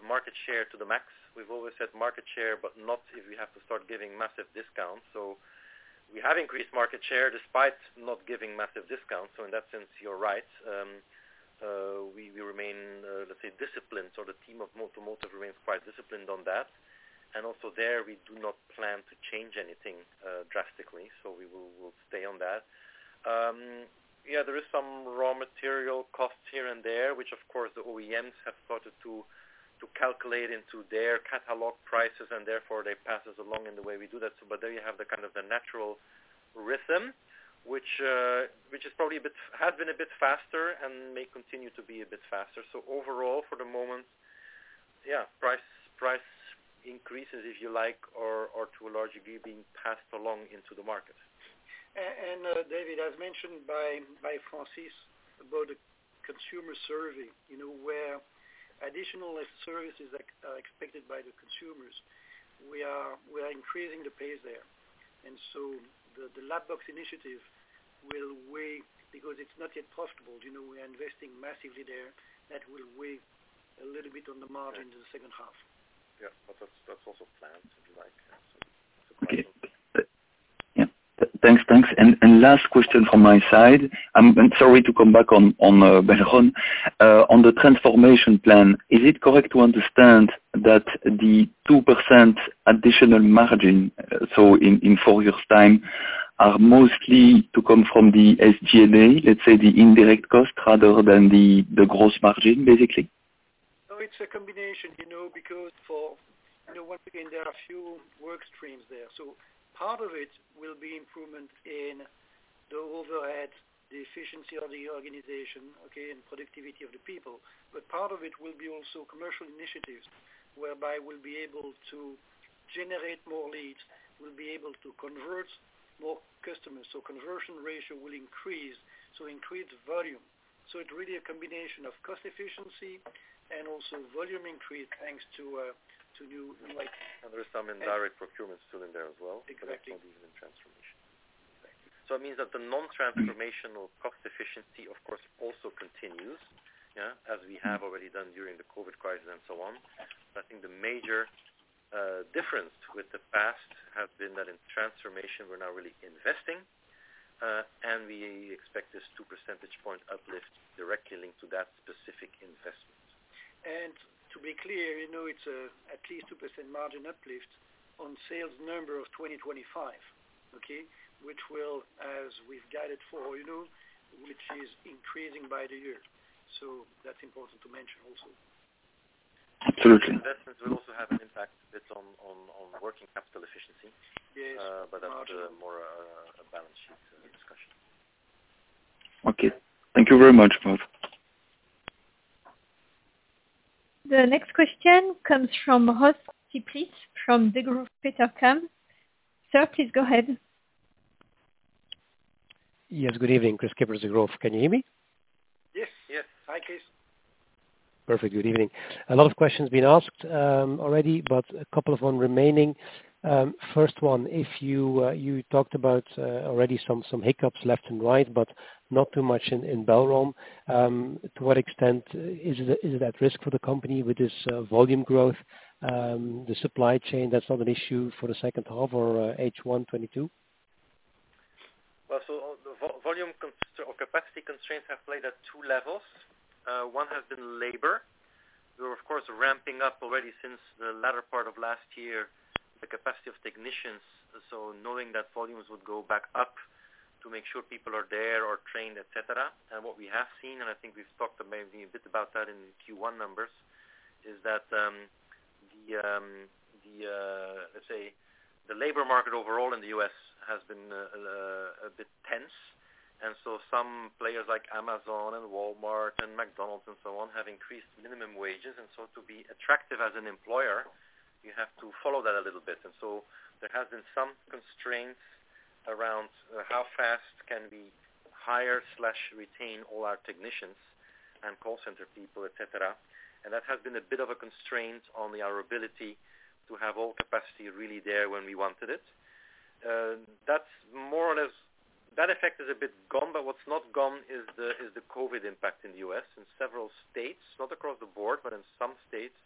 market share to the max. We've always said market share, but not if we have to start giving massive discounts. We have increased market share despite not giving massive discounts, so in that sense, you're right. We remain, let's say, disciplined. The team of Multimoto remains quite disciplined on that. Also there, we do not plan to change anything drastically, so we will stay on that. There is some raw material costs here and there, which of course, the OEMs have started to calculate into their catalog prices, and therefore they pass this along in the way we do that. There you have the natural rhythm, which has been a bit faster and may continue to be a bit faster. Overall, for the moment, price increases, if you like, are to a large degree being passed along into the market. David, as mentioned by Francis about the consumer survey, where additional services are expected by the consumers. We are increasing the pace there. The Lab Box initiative will wait because it is not yet profitable. We are investing massively there. That will weigh a little bit on the margin in the second half. Yeah. That's also planned, if you like. Okay. Yeah. Thanks. Last question from my side. I'm sorry to come back on Belron. On the transformation plan, is it correct to understand that the 2% additional margin, so in four years' time, are mostly to come from the SG&A, let's say the indirect cost, rather than the gross margin, basically? No, it's a combination, because once again, there are a few work streams there. Part of it will be improvement in the overhead, the efficiency of the organization, okay, and productivity of the people. Part of it will be also commercial initiatives, whereby we'll be able to generate more leads, we'll be able to convert more customers, so conversion ratio will increase, so increased volume. It's really a combination of cost efficiency and also volume increase thanks to new. There's some indirect procurement still in there as well. Exactly. That's not even in transformation. Right. It means that the non-transformational cost efficiency, of course, also continues, as we have already done during the COVID crisis and so on. I think the major difference with the past has been that in transformation, we're now really investing, and we expect this 2 percentage point uplift directly linked to that specific investment. To be clear, it's at least 2% margin uplift on sales number of 2025, okay, which will, as we've guided for a year, which is increasing by the year. That's important to mention also. Absolutely. Investments will also have an impact a bit on working capital efficiency. Yes. That's more a balance sheet discussion. Okay. Thank you very much, both. The next question comes from Kris Kippers from Degroof Petercam. Sir, please go ahead. Yes, good evening. Kris Kippers, Degroof Petercam. Can you hear me? Yes. Hi, Kris. Perfect. Good evening. A lot of questions been asked already, a couple of one remaining. First one, you talked about already some hiccups left and right, not too much in Belron. To what extent is it at risk for the company with this volume growth? The supply chain, that's not an issue for the second half or H1 2022? The volume or capacity constraints have played at two levels. One has been labor. We're of course, ramping up already since the latter part of last year, the capacity of technicians. Knowing that volumes would go back up to make sure people are there or trained, et cetera. What we have seen, and I think we've talked maybe a bit about that in the Q1 numbers, is that, let's say the labor market overall in the U.S. has been a bit tense. Some players like Amazon and Walmart and McDonald's and so on, have increased minimum wages. To be attractive as an employer, you have to follow that a little bit. There has been some constraints around how fast can we hire/retain all our technicians and call center people, et cetera. That has been a bit of a constraint on our ability to have all capacity really there when we wanted it. That effect is a bit gone, but what's not gone is the COVID impact in the U.S. in several states, not across the board, but in some states,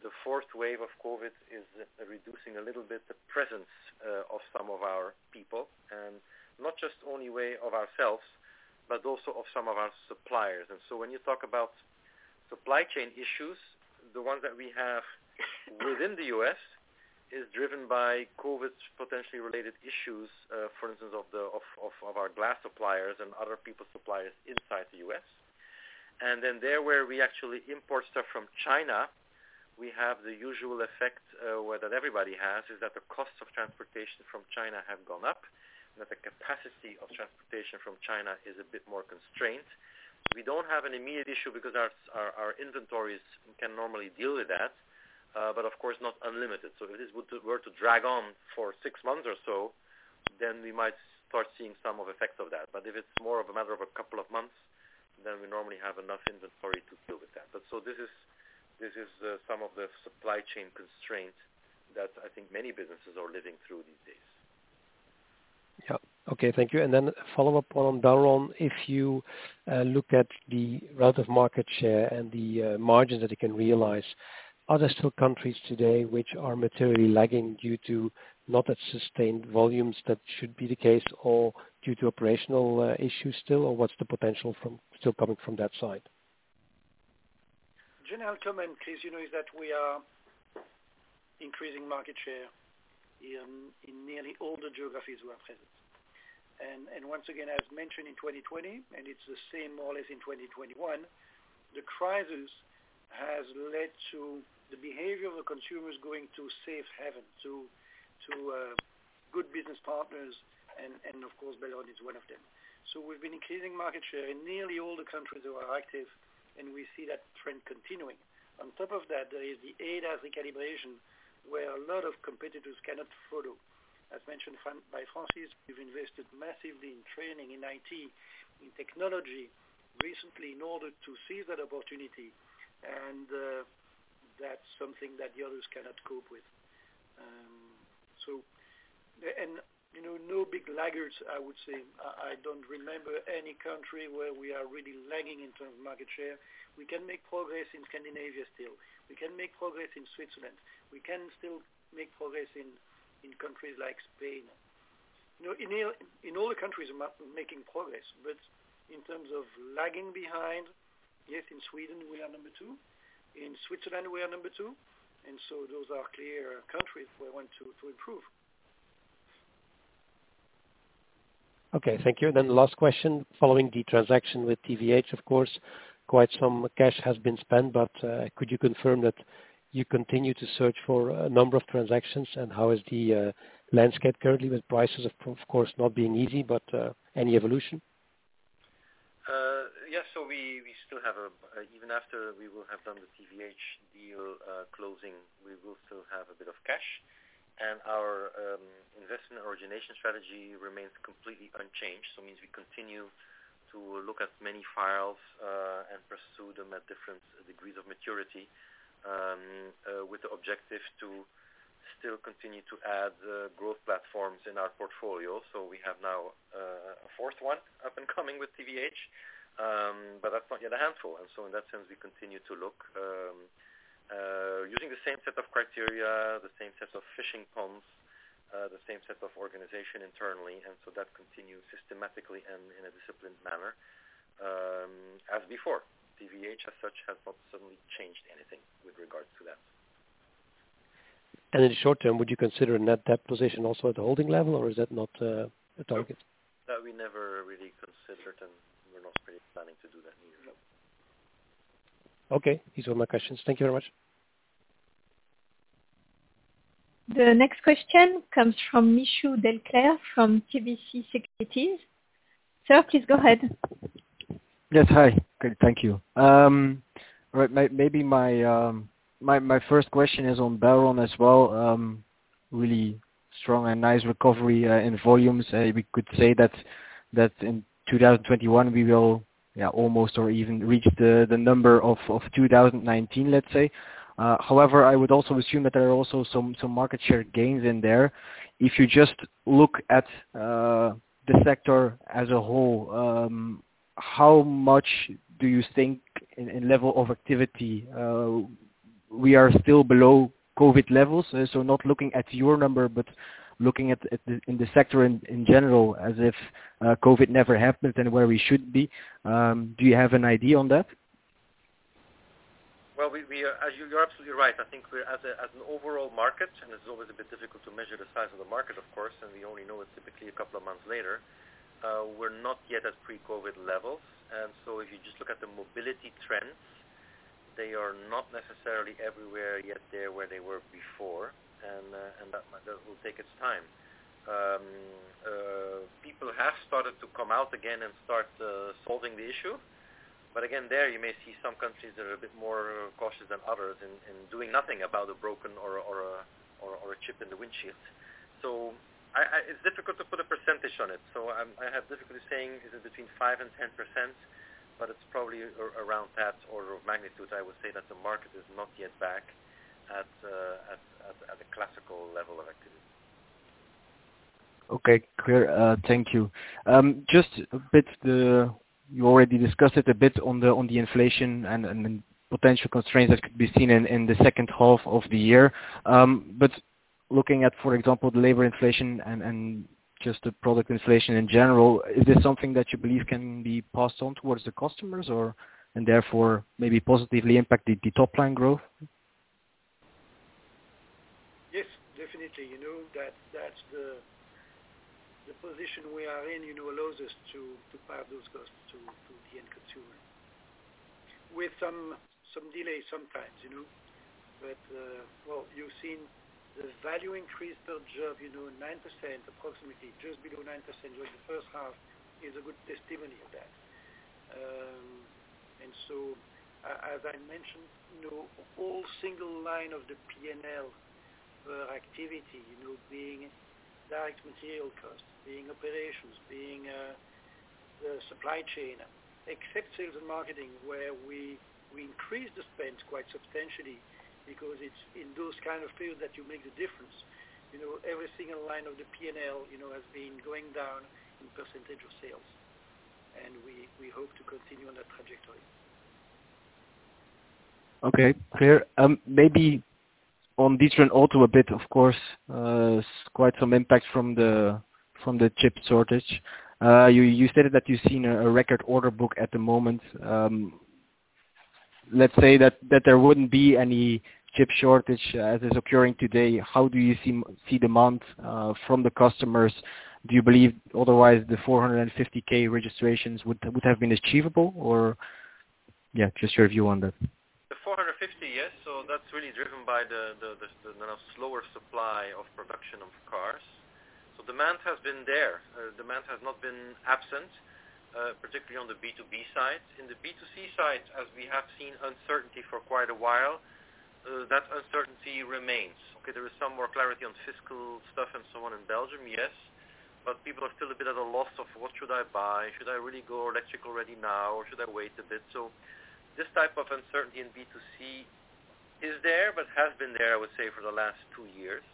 the fourth wave of COVID is reducing a little bit the presence of some of our people. Not just only way of ourselves, but also of some of our suppliers. When you talk about supply chain issues, the ones that we have within the U.S. is driven by COVID potentially related issues, for instance, of our glass suppliers and other people suppliers inside the U.S. There, where we actually import stuff from China, we have the usual effect, where that everybody has, is that the cost of transportation from China have gone up, and that the capacity of transportation from China is a bit more constrained. We don't have an immediate issue because our inventories can normally deal with that. Of course, not unlimited. If this were to drag on for six months or so, then we might start seeing some of effects of that. If it's more of a matter of a couple of months, then we normally have enough inventory to deal with that. This is some of the supply chain constraints that I think many businesses are living through these days. Yeah. Okay. Thank you. A follow-up on Belron. If you look at the relative market share and the margins that you can realize, are there still countries today which are materially lagging due to not that sustained volumes that should be the case or due to operational issues still, or what's the potential still coming from that side? General comment, Kris, is that we are increasing market share in nearly all the geographies we are present. Once again, as mentioned in 2020, and it's the same more or less in 2021, the crisis has led to the behavior of the consumers going to safe haven, to good business partners and of course, Belron is one of them. We've been increasing market share in nearly all the countries who are active, and we see that trend continuing. On top of that, there is the ADAS calibration where a lot of competitors cannot follow. As mentioned by Francis, we've invested massively in training in IT, in technology in order to see that opportunity, and that's something that the others cannot cope with. No big laggards, I would say. I don't remember any country where we are really lagging in terms of market share. We can make progress in Scandinavia still. We can make progress in Switzerland. We can still make progress in countries like Spain. In all the countries we are making progress, but in terms of lagging behind, yes, in Sweden we are number two. In Switzerland, we are number two. Those are clear countries we want to improve. Okay, thank you. The last question, following the transaction with TVH, of course, quite some cash has been spent, but could you confirm that you continue to search for a number of transactions? How is the landscape currently with prices, of course, not being easy, but any evolution? Yes. Even after we will have done the TVH deal closing, we will still have a bit of cash, and our investment origination strategy remains completely unchanged. Means we continue to look at many files and pursue them at different degrees of maturity, with the objective to still continue to add growth platforms in our portfolio. We have now a fourth one up and coming with TVH, but that's not yet a handful. In that sense, we continue to look using the same set of criteria, the same set of fishing ponds, the same set of organization internally. That continues systematically and in a disciplined manner as before. TVH, as such, has not suddenly changed anything with regards to that. In the short term, would you consider a net debt position also at the holding level, or is that not a target? No. That we never really considered, and we're not really planning to do that neither. Okay, these were my questions. Thank you very much. The next question comes from Michiel Declercq from KBC Securities. Sir, please go ahead. Yes. Hi. Good. Thank you. Maybe my first question is on Belron as well. Really strong and nice recovery in volumes. We could say that in 2021 we will almost or even reach the number of 2019, let's say. However, I would also assume that there are also some market share gains in there. If you just look at the sector as a whole, how much do you think in level of activity we are still below COVID levels? Not looking at your number, but looking in the sector in general as if COVID never happened and where we should be. Do you have an idea on that? You're absolutely right. I think as an overall market, and it's always a bit difficult to measure the size of the market, of course, and we only know it typically a couple of months later, we're not yet at pre-COVID levels. If you just look at the mobility trends, they are not necessarily everywhere yet there where they were before, and that will take its time. People have started to come out again and start solving the issue. Again, there you may see some countries that are a bit more cautious than others in doing nothing about a broken or a chip in the windshield. It's difficult to put a percentage on it. I have difficulty saying is it between 5% and 10%, but it's probably around that order of magnitude. I would say that the market is not yet back at the classical level of activity. Okay, clear. Thank you. You already discussed it a bit on the inflation and potential constraints that could be seen in the second half of the year. Looking at, for example, the labor inflation and just the product inflation in general, is this something that you believe can be passed on towards the customers and therefore maybe positively impact the top-line growth? Yes, definitely. The position we are in allows us to pass those costs to the end consumer. With some delay sometimes. You've seen the value increase per job, approximately just below 9% during the first half is a good testimony of that. As I mentioned, all single line of the P&L per activity, being direct material costs, being operations, being the supply chain, except sales and marketing, where we increase the spend quite substantially because it's in those kind of fields that you make the difference. Every single line of the P&L has been going down in percentage of sales, and we hope to continue on that trajectory. Okay, clear. On D'Ieteren Auto a bit, of course, quite some impact from the chip shortage. You stated that you've seen a record order book at the moment. Let's say that there wouldn't be any chip shortage as is occurring today. How do you see demand from the customers? Do you believe otherwise the 450,000 registrations would have been achievable, just your view on that? The 450,000 registrations yes. That's really driven by the slower supply of production of cars. Demand has been there. Demand has not been absent, particularly on the B2B side. In the B2C side, as we have seen uncertainty for quite a while. That uncertainty remains. There is some more clarity on fiscal stuff and so on in Belgium, yes. People are still a bit at a loss of, "What should I buy? Should I really go electric already now, or should I wait a bit?" This type of uncertainty in B2C is there, but has been there, I would say, for the last two years.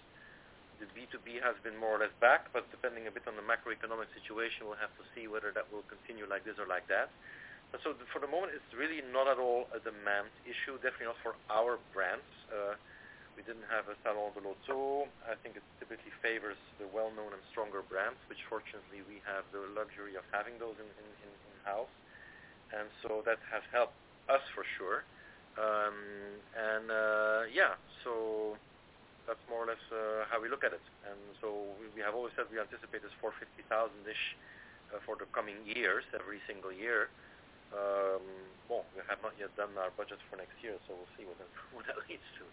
The B2B has been more or less back, but depending a bit on the macroeconomic situation, we'll have to see whether that will continue like this or like that. For the moment, it's really not at all a demand issue, definitely not for our brands. We didn't have a Salon de l'Auto. I think it typically favors the well-known and stronger brands, which fortunately we have the luxury of having those in-house. That has helped us for sure. Yeah, that's more or less how we look at it. We have always said we anticipate this 450,000-ish for the coming years, every single year. We have not yet done our budget for next year, so we'll see what that leads to.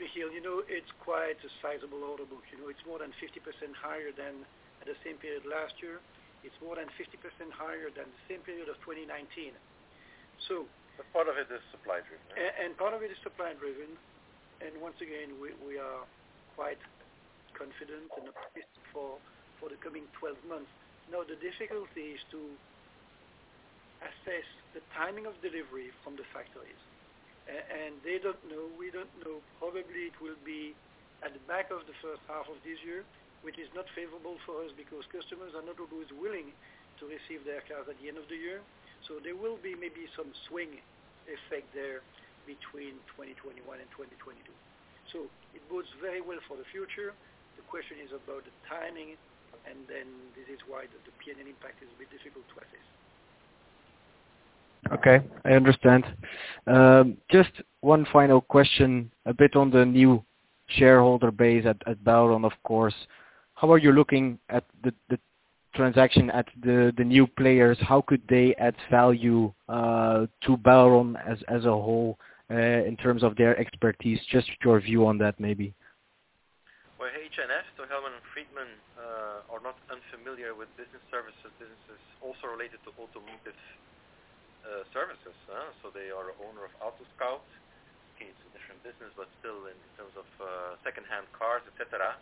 Michiel, it's quite a sizable order book. It's more than 50% higher than the same period last year. It's more than 50% higher than the same period of 2019. Part of it is supply-driven. Part of it is supply-driven. Once again, we are quite confident, at least for the coming 12 months. The difficulty is to assess the timing of delivery from the factories. They don't know, we don't know. Probably it will be at the back of the first half of this year, which is not favorable for us because customers are not always willing to receive their cars at the end of the year. There will be maybe some swing effect there between 2021 and 2022. It bodes very well for the future. The question is about the timing, this is why the P&L impact is a bit difficult to assess. Okay, I understand. Just one final question, a bit on the new shareholder base at Belron, of course. How are you looking at the transaction at the new players? How could they add value to Belron as a whole in terms of their expertise? Just your view on that, maybe. Well, H&F, so Hellman & Friedman, are not unfamiliar with business services, businesses also related to automotive services. They are owner of AutoScout. Okay, it's a different business, but still in terms of secondhand cars, et cetera.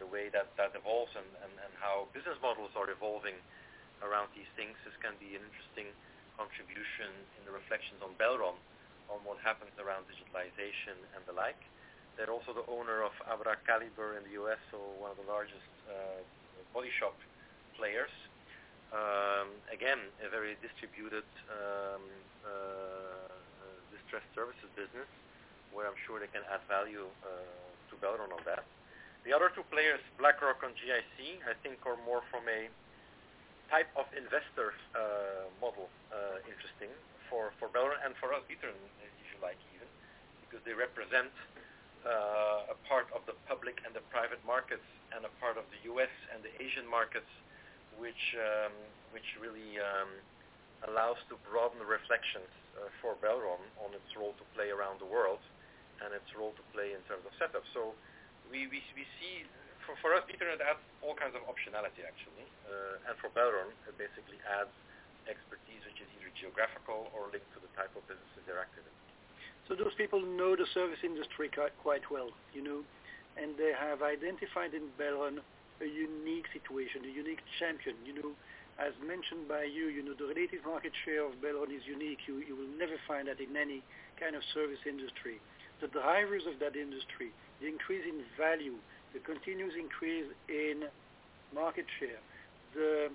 The way that that evolves and how business models are evolving around these things, this can be an interesting contribution in the reflections on Belron on what happens around digitalization and the like. They're also the owner of ABRA Caliber in the U.S., one of the largest body shop players. Again, a very distributed distress services business, where I'm sure they can add value to Belron on that. The other two players, BlackRock and GIC, I think are more from a type of investor model interesting for Belron and for us D'Ieteren, if you like, even, because they represent a part of the public and the private markets and a part of the U.S. and the Asian markets, which really allows to broaden the reflections for Belron on its role to play around the world and its role to play in terms of setup. We see for us D'Ieteren it adds all kinds of optionality, actually. For Belron, it basically adds expertise, which is either geographical or linked to the type of businesses they're active in. Those people know the service industry quite well. They have identified in Belron a unique situation, a unique champion. As mentioned by you, the relative market share of Belron is unique. You will never find that in any kind of service industry. The drivers of that industry, the increase in value, the continuous increase in market share, the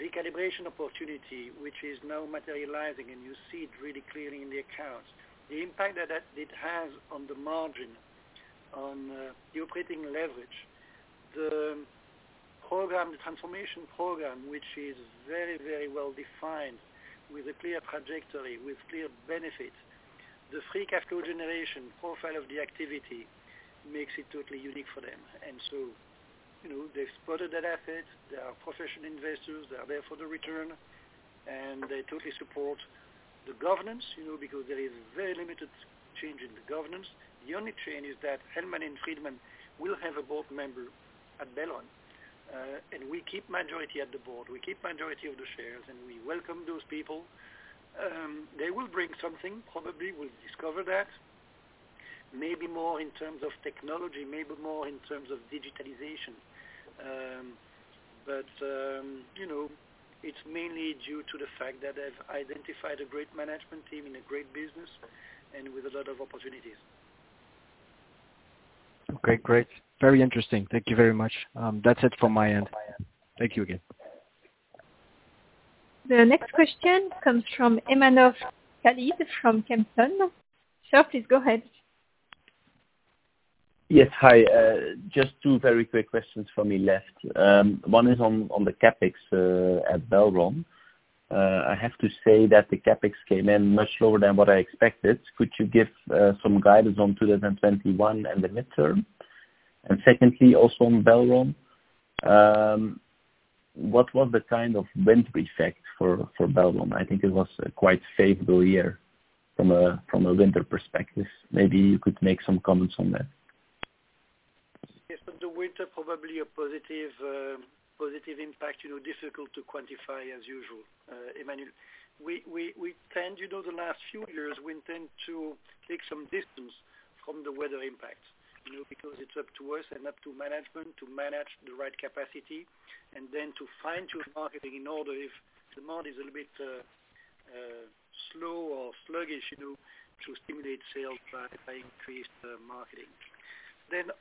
recalibration opportunity, which is now materializing, and you see it really clearly in the accounts. The impact that it has on the margin, on the operating leverage, the transformation program, which is very well-defined with a clear trajectory, with clear benefits. The free cash flow generation profile of the activity makes it totally unique for them. They've spotted that asset. They are professional investors. They are there for the return, and they totally support the governance, because there is very limited change in the governance. The only change is that Hellman & Friedman will have a board member at Belron. We keep majority at the board. We keep majority of the shares, and we welcome those people. They will bring something, probably we'll discover that. Maybe more in terms of technology, maybe more in terms of digitalization. It's mainly due to the fact that they've identified a great management team and a great business, and with a lot of opportunities. Okay, great. Very interesting. Thank you very much. That's it from my end. Thank you again. The next question comes from Emmanuel Carlier from Kempen & Co. Sir, please go ahead. Yes. Hi. Just two very quick questions from me left. One is on the CapEx at Belron. I have to say that the CapEx came in much lower than what I expected. Could you give some guidance on 2021 and the midterm? Secondly, also on Belron, what was the kind of wind effect for Belron? I think it was a quite favorable year from a winter perspective. Maybe you could make some comments on that. The winter probably a positive impact, difficult to quantify as usual, Emmanuel. The last few years, we tend to take some distance from the weather impact, because it's up to us and up to management to manage the right capacity and to fine-tune marketing in order if demand is a bit slow or sluggish, to stimulate sales by increased marketing.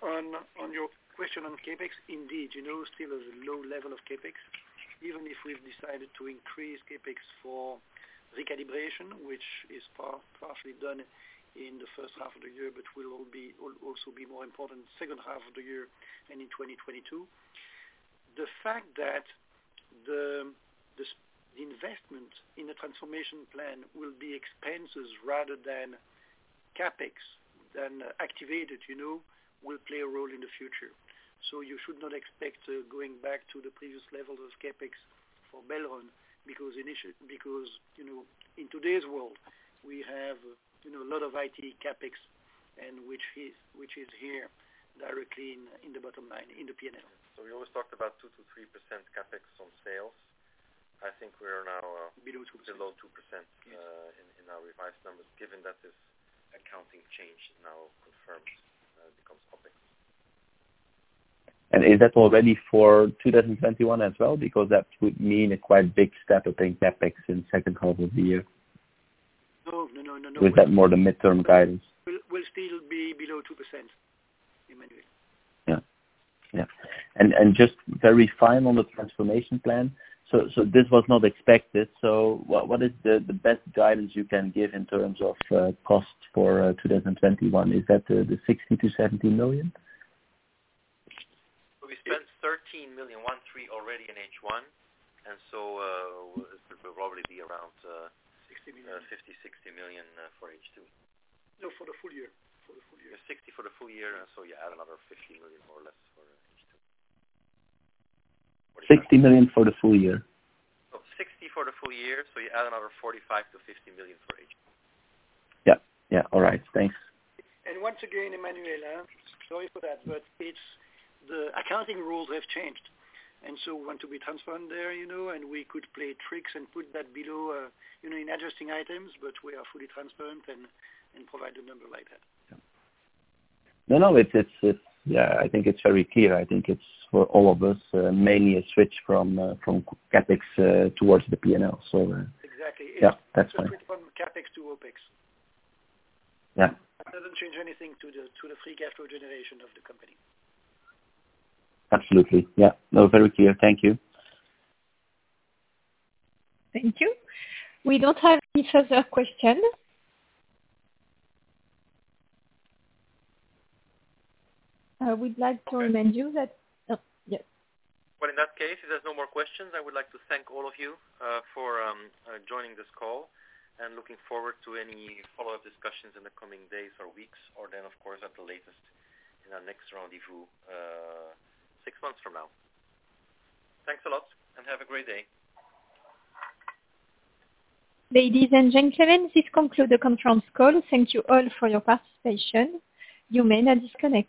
On your question on CapEx, indeed, still there's a low level of CapEx, even if we've decided to increase CapEx for recalibration, which is partially done in the first half of the year, but will also be more important second half of the year and in 2022. The fact that this investment in the transformation plan will be expenses rather than CapEx, than activated, will play a role in the future. You should not expect going back to the previous levels of CapEx for Belron, because in today's world, we have a lot of IT CapEx, and which is here directly in the bottom line in the P&L. We always talked about 2%-3% CapEx on sales. I think we are now. Below 2%. below 2% in our revised numbers, given that this accounting change now confirms, becomes public. Is that already for 2021 as well? That would mean a quite big step, I think, CapEx in second half of the year. No. Is that more the midterm guidance? We'll still be below 2%, Emmanuel. Yeah. Just very final on the transformation plan. This was not expected. What is the best guidance you can give in terms of costs for 2021? Is that the 60 million-70 million? We spent 13 million, one three already in H1, and so it will probably be around. 60 million 50 million-60 million for H2. No, for the full year. 60 for the full year. You add another 15 million more or less for H2. 60 million for the full year? No, 60 for the full year. You add another 45 million-50 million for H1. Yeah. All right. Thanks. Once again, Emmanuel, sorry for that. The accounting rules have changed, so we want to be transparent there. We could play tricks and put that below in adjusting items, but we are fully transparent and provide a number like that. Yeah. No, I think it's very clear. I think it's, for all of us, mainly a switch from CapEx towards the P&L. Exactly. Yeah. That's fine. It's a switch from CapEx to OpEx. Yeah. That doesn't change anything to the free cash flow generation of the company. Absolutely. Yeah. No, very clear. Thank you. Thank you. We don't have any further questions. We'd like to remind you that. Oh, yes. Well, in that case, if there's no more questions, I would like to thank all of you for joining this call, and looking forward to any follow-up discussions in the coming days or weeks, or then, of course, at the latest, in our next rendezvous six months from now. Thanks a lot, and have a great day. Ladies and gentlemen, this concludes the conference call. Thank you all for your participation. You may now disconnect.